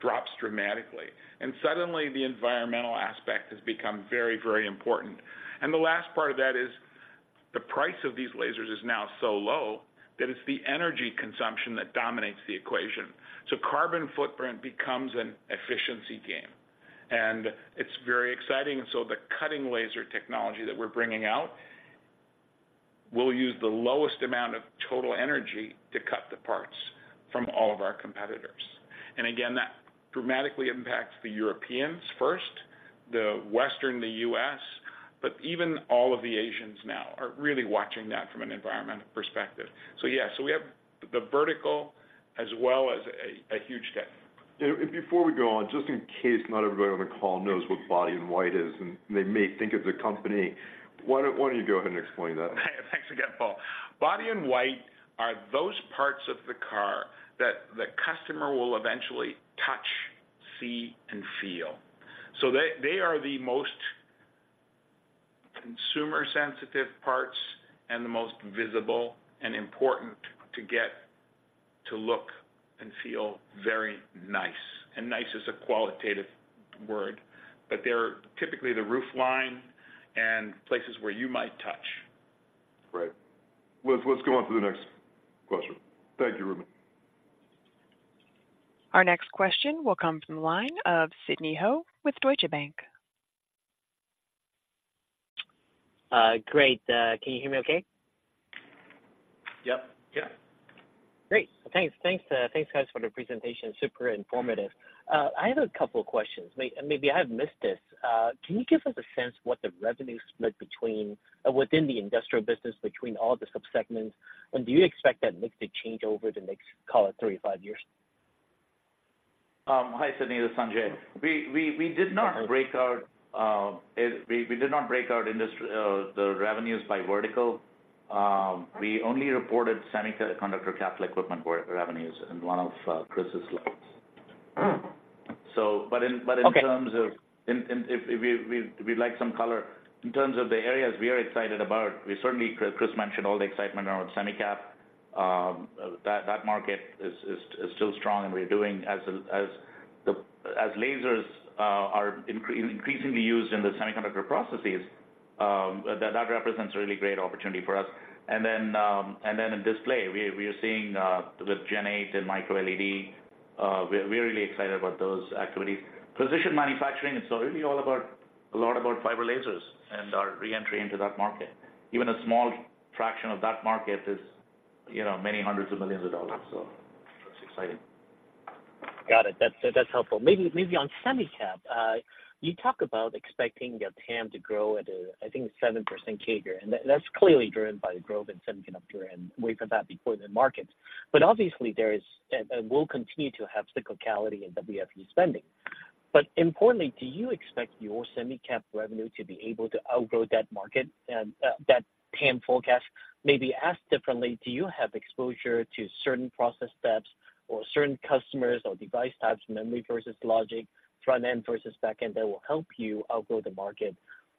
drops dramatically, and suddenly the environmental aspect has become very, very important. The last part of that is, the price of these lasers is now so low that it's the energy consumption that dominates the equation. So carbon footprint becomes an efficiency game, and it's very exciting. And so the cutting laser technology that we're bringing out will use the lowest amount of total energy to cut the parts from all of our competitors. And again, that dramatically impacts the Europeans first, the Western, the US, but even all of the Asians now are really watching that from an environmental perspective. So yeah, so we have the vertical as well as a huge step. Before we go on, just in case not everybody on the call knows what Body-in-White is, and they may think it's a company, why don't you go ahead and explain that? Thanks again, Paul. Body-in-White are those parts of the car that the customer will eventually touch, see, and feel. So they, they are the most consumer-sensitive parts and the most visible and important to get to look and feel very nice. And nice is a qualitative word, but they're typically the roofline and places where you might touch. Right. Let's go on to the next question. Thank you, Ruben. Our next question will come from the line of Sidney Ho with Deutsche Bank. Great, can you hear me okay? Yep. Yep. Great. Thanks. Thanks, thanks, guys, for the presentation. Super informative. I have a couple of questions. Maybe I have missed this. Can you give us a sense of what the revenue split between, within the industrial business, between all the subsegments? And do you expect that mix to change over the next, call it, three to five years? Hi, Sidney, this is Sanjai. We did not break out industry, the revenues by vertical. We only reported semiconductor capital equipment revenues in one of Chris's slides. So, but in- Okay ...but in terms of the areas we are excited about, we certainly, Chris mentioned all the excitement around semicon. That market is still strong and as lasers are increasingly used in the semiconductor processes, that represents a really great opportunity for us. And then in display, we are seeing with Gen 8 and MicroLED, we are really excited about those activities. Precision manufacturing, it's really all about a lot about fiber lasers and our re-entry into that market. Even a small fraction of that market is, you know, many hundreds of millions of dollars. So that's exciting. Got it. That's, that's helpful. Maybe, maybe on semicap, you talk about expecting the TAM to grow at a, I think, 7% CAGR, and that's clearly driven by the growth in semiconductor and wafer fab equipment markets. But obviously, there is, and we'll continue to have cyclicality in WFE spending. But importantly, do you expect your semicap revenue to be able to outgrow that market and, that TAM forecast? Maybe asked differently, do you have exposure to certain process steps or certain customers or device types, memory versus logic, front-end versus back-end, that will help you outgrow the market?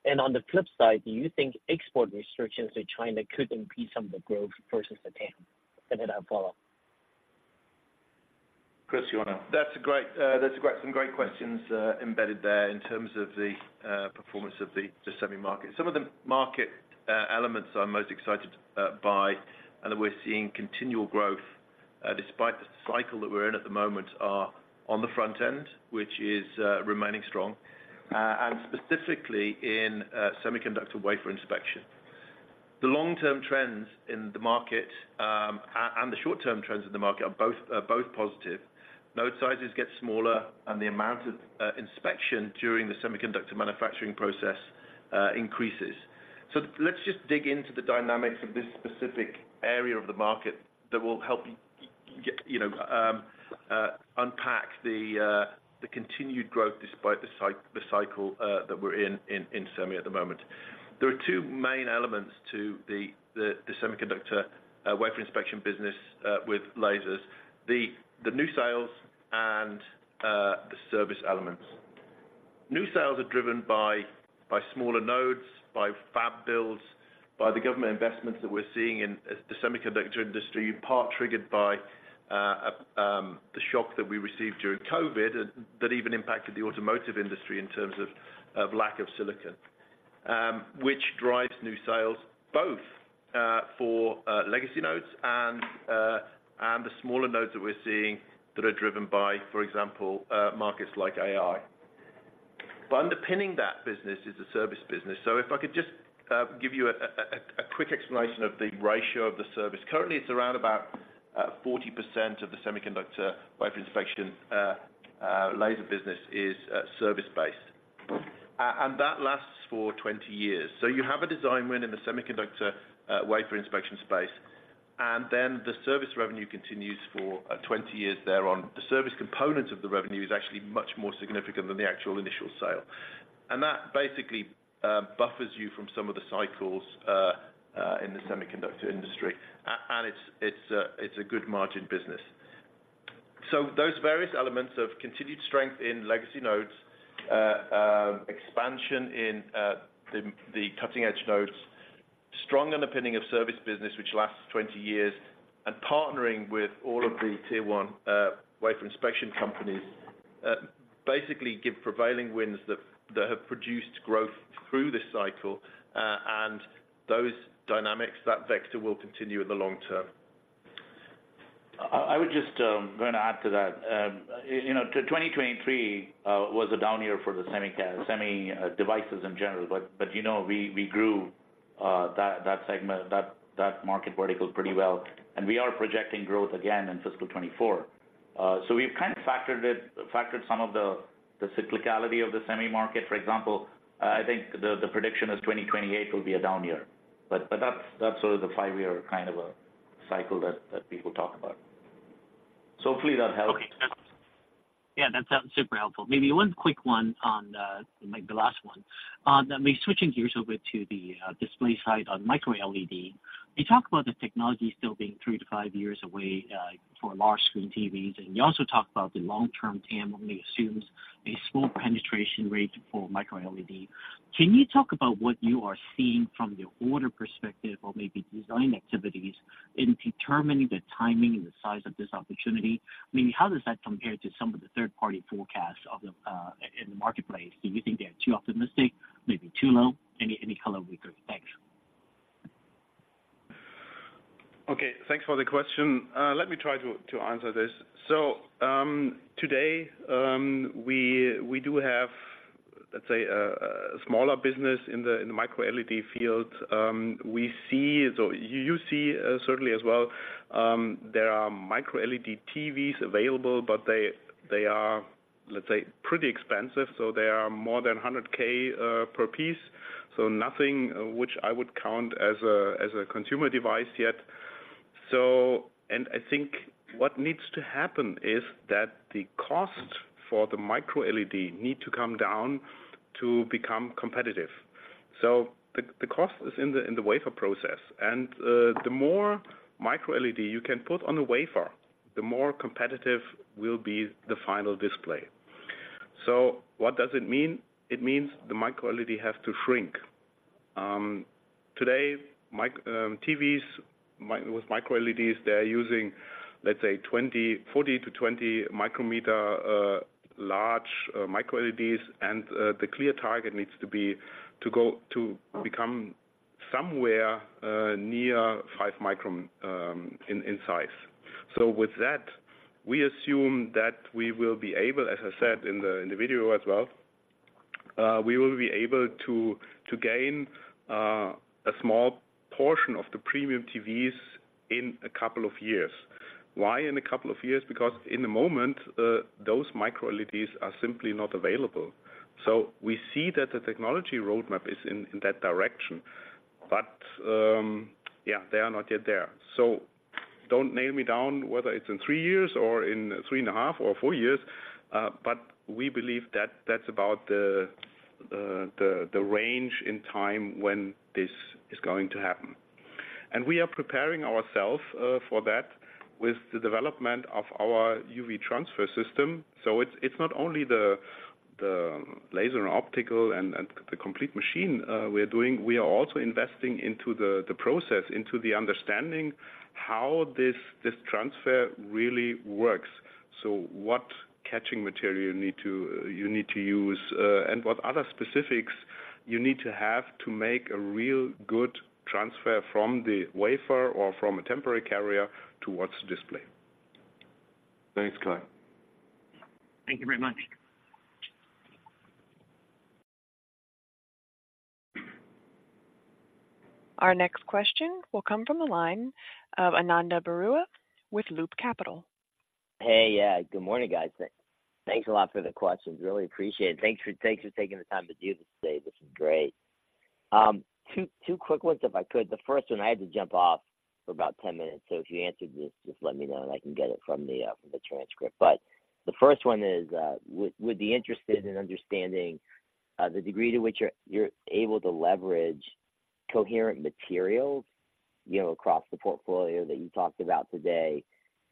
And on the flip side, do you think export restrictions to China could impede some of the growth versus the TAM? And then I'll follow up. Chris, you want to- That's a great, that's great, some great questions, embedded there in terms of the performance of the semi market. Some of the market elements I'm most excited by, and that we're seeing continual growth despite the cycle that we're in at the moment, are on the front end, which is remaining strong, and specifically in semiconductor wafer inspection. The long-term trends in the market, and the short-term trends in the market are both positive. Node sizes get smaller, and the amount of inspection during the semiconductor manufacturing process increases. So let's just dig into the dynamics of this specific area of the market that will help get, you know, unpack the continued growth despite the cycle that we're in, in semi at the moment. There are two main elements to the semiconductor wafer inspection business with lasers. The new sales and the service elements. New sales are driven by smaller nodes, by fab builds, by the government investments that we're seeing in the semiconductor industry, in part triggered by the shock that we received during COVID, and that even impacted the automotive industry in terms of lack of silicon, which drives new sales both for legacy nodes and the smaller nodes that we're seeing that are driven by, for example, markets like AI. But underpinning that business is the service business. So if I could just give you a quick explanation of the ratio of the service. Currently, it's around about 40% of the semiconductor wafer inspection laser business is service-based. And that lasts for 20 years. So you have a design win in the semiconductor wafer inspection space, and then the service revenue continues for 20 years thereon. The service component of the revenue is actually much more significant than the actual initial sale. And that basically buffers you from some of the cycles in the semiconductor industry. And it's a good margin business. So those various elements of continued strength in legacy nodes, expansion in the cutting-edge nodes, strong underpinning of service business, which lasts 20 years, and partnering with all of the tier one wafer inspection companies basically give prevailing winds that have produced growth through this cycle, and those dynamics, that vector will continue in the long term. I would just going to add to that. You know, 2023 was a down year for the semi devices in general, but you know, we grew that segment, that market vertical pretty well, and we are projecting growth again in fiscal 2024. So we've kind of factored some of the cyclicality of the semi market. For example, I think the prediction is 2028 will be a down year. But that's sort of the five-year kind of a cycle that people talk about. So hopefully that helps. Okay. Yeah, that's super helpful. Maybe one quick one on, maybe the last one. Maybe switching gears over to the display side on MicroLED. You talk about the technology still being three to five years away for large screen TVs, and you also talk about the long-term TAM only assumes a small penetration rate for MicroLED. Can you talk about what you are seeing from the order perspective or maybe design activities in determining the timing and the size of this opportunity? I mean, how does that compare to some of the third-party forecasts of the in the marketplace? Do you think they are too optimistic, maybe too low? Any color would be great. Thanks. Okay, thanks for the question. Let me try to answer this. So, today, we do have, let's say, a smaller business in the MicroLED field. We see, so you see, certainly as well, there are MicroLED TVs available, but they are, let's say, pretty expensive, so they are more than $100,000 per piece. So nothing which I would count as a consumer device yet. So... And I think what needs to happen is, that the cost for the MicroLED need to come down to become competitive. So the cost is in the wafer process, and the more MicroLED you can put on the wafer, the more competitive will be the final display. So what does it mean? It means the MicroLED has to shrink. Today, micro TVs with MicroLEDs, they're using, let's say, 40 μm to 20 μm large MicroLEDs, and the clear target needs to be to go to become somewhere near 5 μm in size. So with that, we assume that we will be able, as I said in the video as well, we will be able to gain a small portion of the premium TVs in a couple of years. Why in a couple of years? Because in the moment, those MicroLEDs are simply not available. So we see that the technology roadmap is in that direction, but, yeah, they are not yet there. So-... Don't nail me down, whether it's in three years or in 3.5 or four years, but we believe that that's about the range in time when this is going to happen. We are preparing ourself for that with the development of our UV transfer system. It's not only the laser and optical and the complete machine, we're doing, we are also investing into the process, into the understanding how this transfer really works. What catching material you need to use, and what other specifics you need to have to make a real good transfer from the wafer or from a temporary carrier towards the display. Thanks, Kai. Thank you very much. Our next question will come from the line of Ananda Baruah with Loop Capital. Hey, yeah, good morning, guys. Thanks a lot for the questions. Really appreciate it. Thanks for taking the time to do this today. This is great. Two quick ones, if I could. The first one, I had to jump off for about 10 minutes, so if you answered this, just let me know, and I can get it from the transcript. But the first one is, would be interested in understanding the degree to which you're able to leverage Coherent materials, you know, across the portfolio that you talked about today.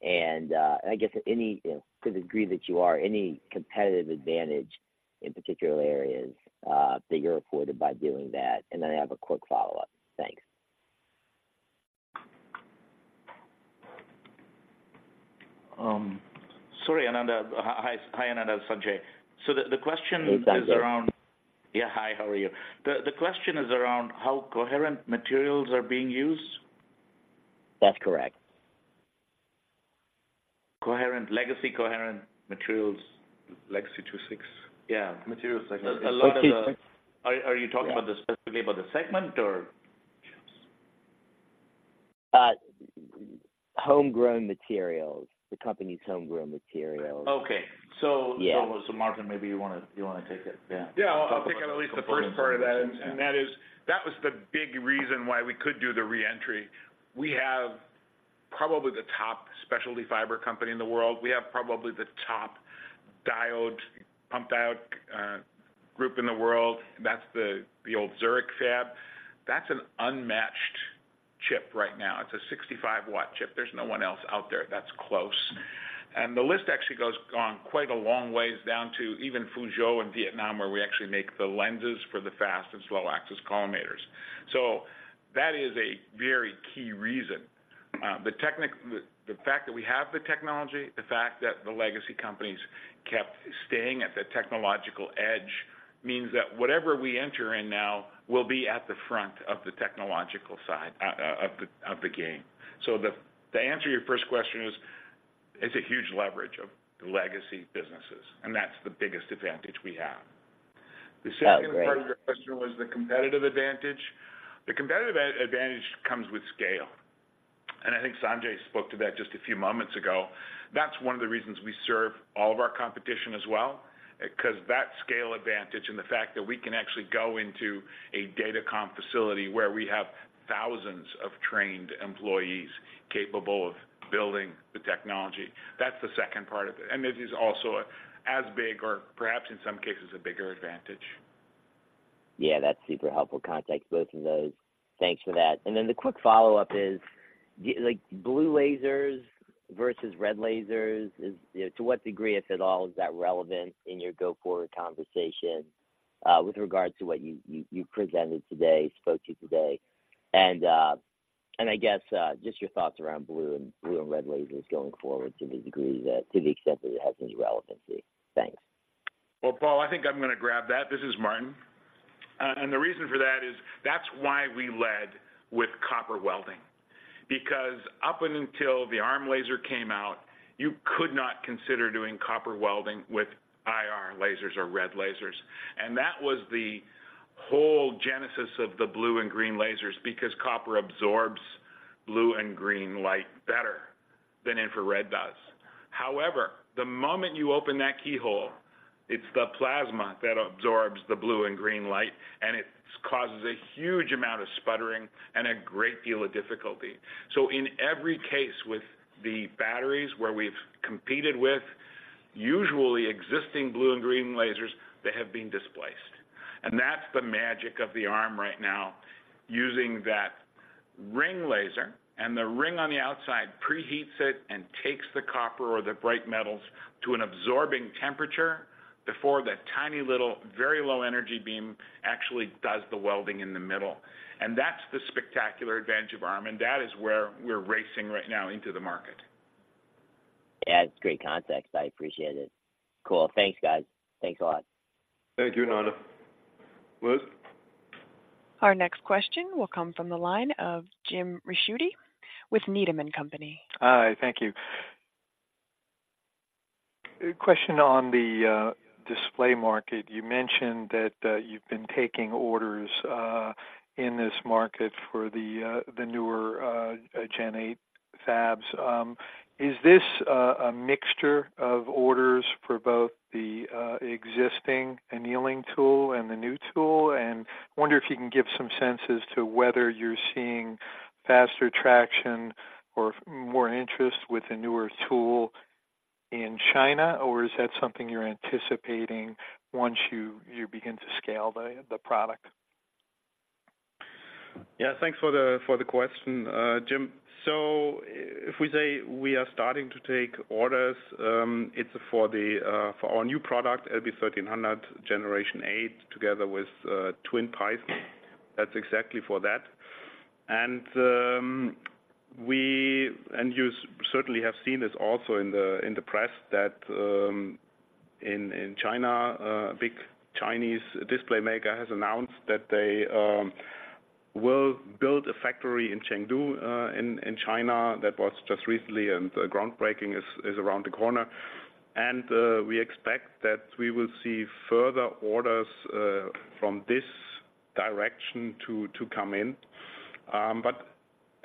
And, I guess any, you know, to the degree that you are, any competitive advantage in particular areas that you're afforded by doing that. And then I have a quick follow-up. Thanks. Sorry, Ananda. Hi, Ananda. It's Sanjai. Hey, Sanjai. So the question is around. Yeah, hi, how are you? The question is around how Coherent materials are being used? That's correct. Coherent, legacy Coherent materials, legacy II-VI. Yeah, materials legacy. A lot of the- Are you talking about the- Yeah... specifically about the segment or? homegrown materials, the company's homegrown materials. Okay. Yeah. So, Martin, maybe you want to take it? Yeah. Yeah. I'll take at least the first part of that. Yeah. That is, that was the big reason why we could do the re-entry. We have probably the top specialty fiber company in the world. We have probably the top pump diode group in the world. That's the, the old Zurich fab. That's an unmatched chip right now. It's a 65 W chip. There's no one else out there that's close. And the list actually goes on quite a long ways, down to even Fuzhou and Vietnam, where we actually make the lenses for the fast and slow axis collimators. So that is a very key reason. The fact that we have the technology, the fact that the legacy companies kept staying at the technological edge, means that whatever we enter in now will be at the front of the technological side, of the game. So, to answer your first question, it's a huge leverage of the legacy businesses, and that's the biggest advantage we have. Oh, great. The second part of your question was the competitive advantage. The competitive advantage comes with scale, and I think Sanjai spoke to that just a few moments ago. That's one of the reasons we serve all of our competition as well, 'cause that scale advantage and the fact that we can actually go into a datacom facility, where we have thousands of trained employees capable of building the technology. That's the second part of it, and it is also as big or perhaps in some cases, a bigger advantage. Yeah, that's super helpful context, both of those. Thanks for that. And then the quick follow-up is: like, blue lasers versus red lasers is, you know, to what degree, if at all, is that relevant in your go-forward conversation, with regards to what you, you, you presented today, spoke to today? And, and I guess, just your thoughts around blue and, blue and red lasers going forward, to the extent that it has any relevancy. Thanks. Well, Paul, I think I'm going to grab that. This is Martin. The reason for that is, that's why we led with copper welding. Because up until the ARM laser came out, you could not consider doing copper welding with IR lasers or red lasers. And that was the whole genesis of the blue and green lasers, because copper absorbs blue and green light better than infrared does. However, the moment you open that keyhole, it's the plasma that absorbs the blue and green light, and it causes a huge amount of sputtering and a great deal of difficulty. So in every case with the batteries where we've competed with usually existing blue and green lasers, they have been displaced. That's the magic of the ARM right now, using that ring laser, and the ring on the outside preheats it and takes the copper or the bright metals to an absorbing temperature before the tiny little, very low energy beam actually does the welding in the middle. That's the spectacular advantage of ARM, and that is where we're racing right now into the market. Yeah, it's great context. I appreciate it. Cool. Thanks, guys. Thanks a lot. Thank you, Ananda. Liz? Our next question will come from the line of Jim Ricchiuti with Needham & Company. Hi, thank you. A question on the display market. You mentioned that you've been taking orders in this market for the newer Gen 8 fabs. Is this a mixture of orders for both the existing annealing tool and the new tool? And wonder if you can give some sense as to whether you're seeing faster traction or more interest with the newer tool in China, or is that something you're anticipating once you begin to scale the product? Yeah, thanks for the question, Jim. So if we say we are starting to take orders, it's for our new product, LB 1300 Generation 8, together with twin VYPERS. That's exactly for that. And we certainly have seen this also in the press, that in China, a big Chinese display maker has announced that they will build a factory in Chengdu, in China that was just recently, and the groundbreaking is around the corner. And we expect that we will see further orders from this direction to come in. But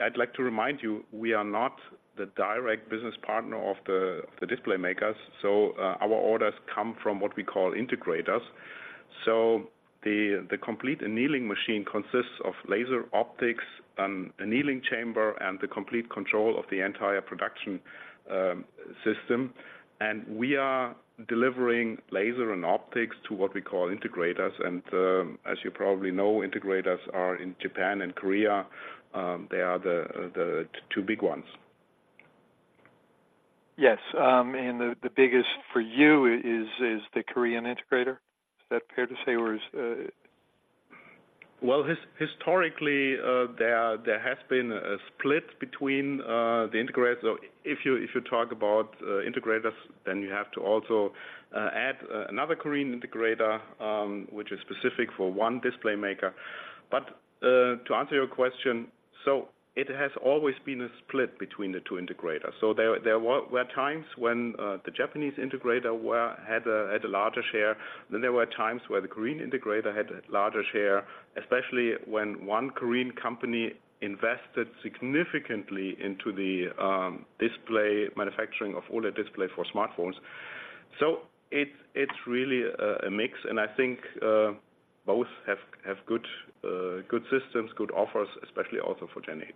I'd like to remind you, we are not the direct business partner of the display makers, so our orders come from what we call integrators. So the complete annealing machine consists of laser optics, an annealing chamber, and the complete control of the entire production system. And we are delivering laser and optics to what we call integrators. And, as you probably know, integrators are in Japan and Korea, they are the two big ones. Yes, and the biggest for you is the Korean integrator? Is that fair to say, or is Well, historically, there has been a split between the integrators. So if you talk about integrators, then you have to also add another Korean integrator, which is specific for one display maker. But to answer your question: so it has always been a split between the two integrators. So there were times when the Japanese integrator had a larger share, then there were times where the Korean integrator had a larger share, especially when one Korean company invested significantly into the display manufacturing of all their display for smartphones. So it's really a mix, and I think both have good systems, good offers, especially also for Gen 8.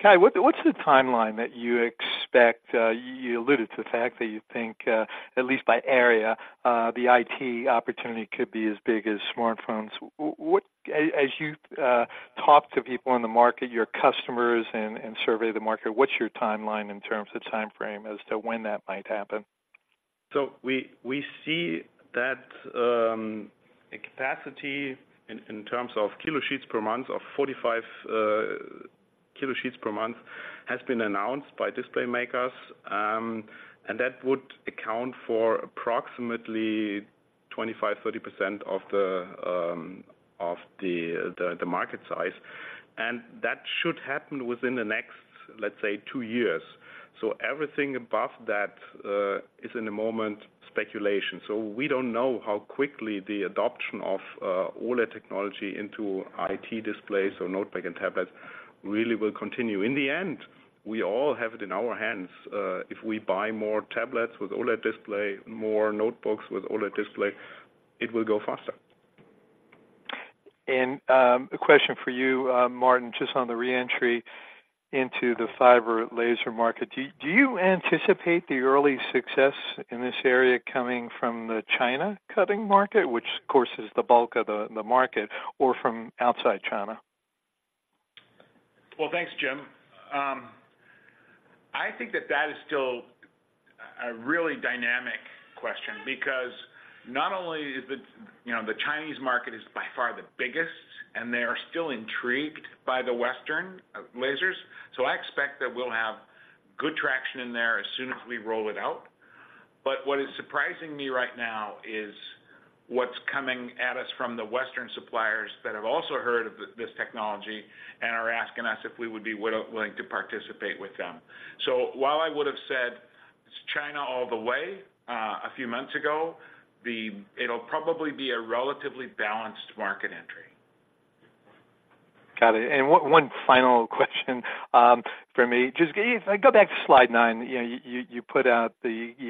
Okay, what's the timeline that you expect? You alluded to the fact that you think, at least by area, the IT opportunity could be as big as smartphones. As you talk to people in the market, your customers, and survey the market, what's your timeline in terms of timeframe as to when that might happen? So we see that a capacity in terms of kilosheets per month of 45 kilosheets per month has been announced by display makers. And that would account for approximately 25%-30% of the market size. And that should happen within the next, let's say, two years. So everything above that is in the moment speculation. So we don't know how quickly the adoption of all the technology into IT displays or notebook and tablets really will continue. In the end, we all have it in our hands. If we buy more tablets with all the display, more notebooks with all the display, it will go faster. A question for you, Martin, just on the re-entry into the fiber laser market. Do you anticipate the early success in this area coming from the China cutting market, which of course is the bulk of the market, or from outside China? Well, thanks, Jim. I think that that is still a really dynamic question, because not only is the, you know, the Chinese market is by far the biggest, and they are still intrigued by the Western lasers. So I expect that we'll have good traction in there as soon as we roll it out. But what is surprising me right now is what's coming at us from the Western suppliers that have also heard of this technology and are asking us if we would be willing to participate with them. So while I would have said it's China all the way, a few months ago, it'll probably be a relatively balanced market entry. Got it. One final question for me. Just if I go back to slide nine, you know, you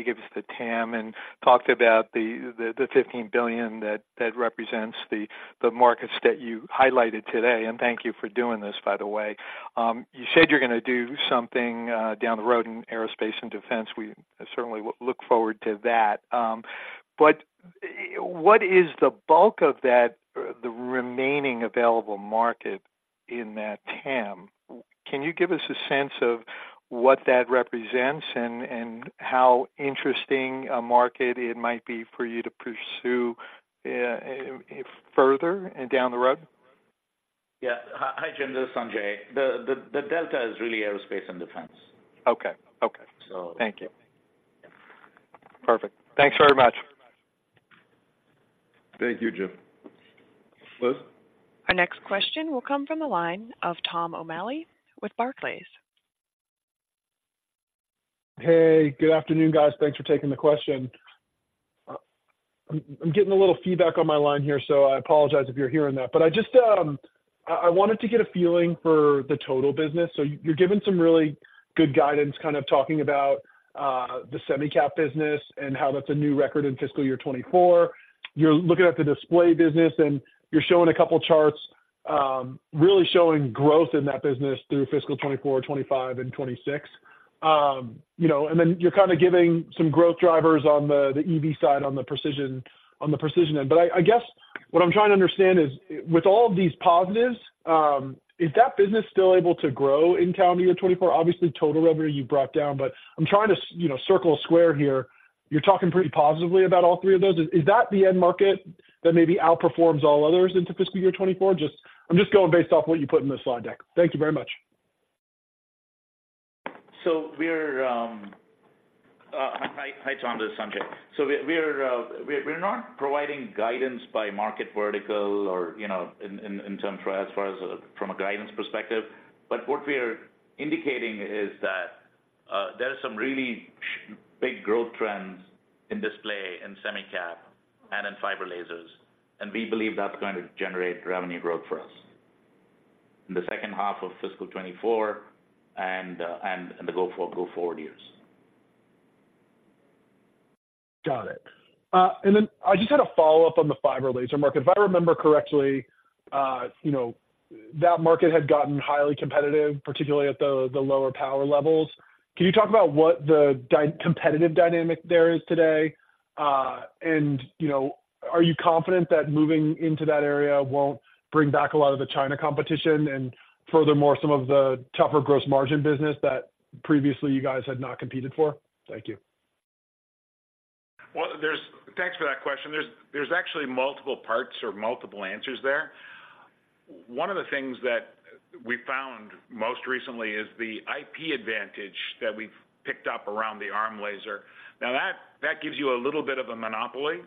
gave us the TAM and talked about the $15 billion that represents the markets that you highlighted today, and thank you for doing this, by the way. You said you're gonna do something down the road in aerospace and defense. We certainly look forward to that. But what is the bulk of that, the remaining available market in that TAM? Can you give us a sense of what that represents and how interesting a market it might be for you to pursue further down the road? Yeah. Hi, Jim, this is Sanjai. The delta is really aerospace and defense. Okay. Okay. So- Thank you. Perfect. Thanks very much. Thank you, Jim. Liz? Our next question will come from the line of Tom O'Malley with Barclays. Hey, good afternoon, guys. Thanks for taking the question. I'm getting a little feedback on my line here, so I apologize if you're hearing that. But I just, I wanted to get a feeling for the total business. So you're giving some really good guidance, kind of talking about the semicap business and how that's a new record in fiscal year 2024. You're looking at the display business, and you're showing a couple charts, really showing growth in that business through fiscal 2024, 2025 and 2026. You know, and then you're kind of giving some growth drivers on the EV side, on the precision end. But I guess what I'm trying to understand is, with all of these positives, is that business still able to grow in calendar year 2024? Obviously, total revenue you brought down, but I'm trying to, you know, circle a square here. You're talking pretty positively about all three of those. Is, is that the end market that maybe outperforms all others into fiscal year 2024? Just, I'm just going based off what you put in the slide deck. Thank you very much. Hi, John, this is Sanjai. So we're not providing guidance by market vertical or, you know, in, in, in term for as far as from a guidance perspective. But what we're indicating is that there are some really big growth trends in display and semicap and in fiber lasers, and we believe that's going to generate revenue growth for us in the second half of fiscal 2024 and in the go forward years. Got it. And then I just had a follow-up on the fiber laser market. If I remember correctly, you know, that market had gotten highly competitive, particularly at the lower power levels. Can you talk about what the competitive dynamic there is today? And, you know, are you confident that moving into that area won't bring back a lot of the China competition, and furthermore, some of the tougher gross margin business that previously you guys had not competed for? Thank you. Well, thanks for that question. There's actually multiple parts or multiple answers there. One of the things that we found most recently is the IP advantage that we've picked up around the ARM laser. Now that gives you a little bit of a monopoly,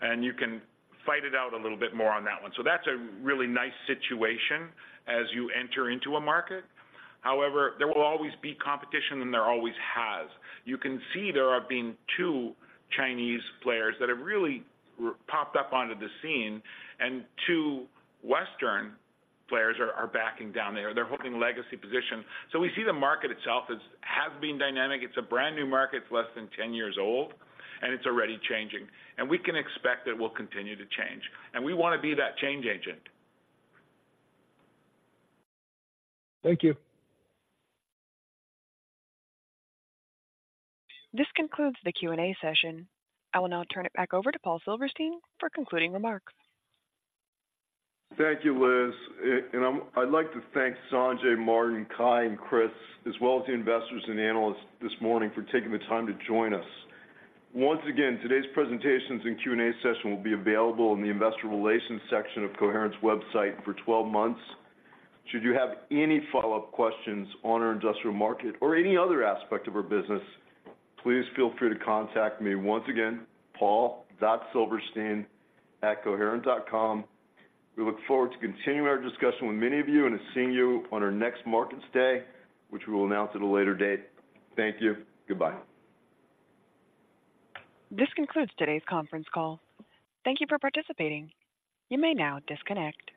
and you can fight it out a little bit more on that one. So that's a really nice situation as you enter into a market. However, there will always be competition, and there always has. You can see there have been two Chinese players that have really popped up onto the scene, and two Western players are backing down there. They're holding legacy position. So we see the market itself as has been dynamic. It's a brand-new market. It's less than 10 years old, and it's already changing, and we can expect that it will continue to change, and we want to be that change agent. Thank you. This concludes the Q&A session. I will now turn it back over to Paul Silverstein for concluding remarks. Thank you, Liz. I'd like to thank Sanjai, Martin, Kai, and Chris, as well as the investors and the analysts this morning for taking the time to join us. Once again, today's presentations and Q&A session will be available in the Investor Relations section of Coherent's website for 12 months. Should you have any follow-up questions on our industrial market or any other aspect of our business, please feel free to contact me once again, paul.silverstein@coherent.com. We look forward to continuing our discussion with many of you and seeing you on our next Markets Day, which we will announce at a later date. Thank you. Goodbye. This concludes today's conference call. Thank you for participating. You may now disconnect.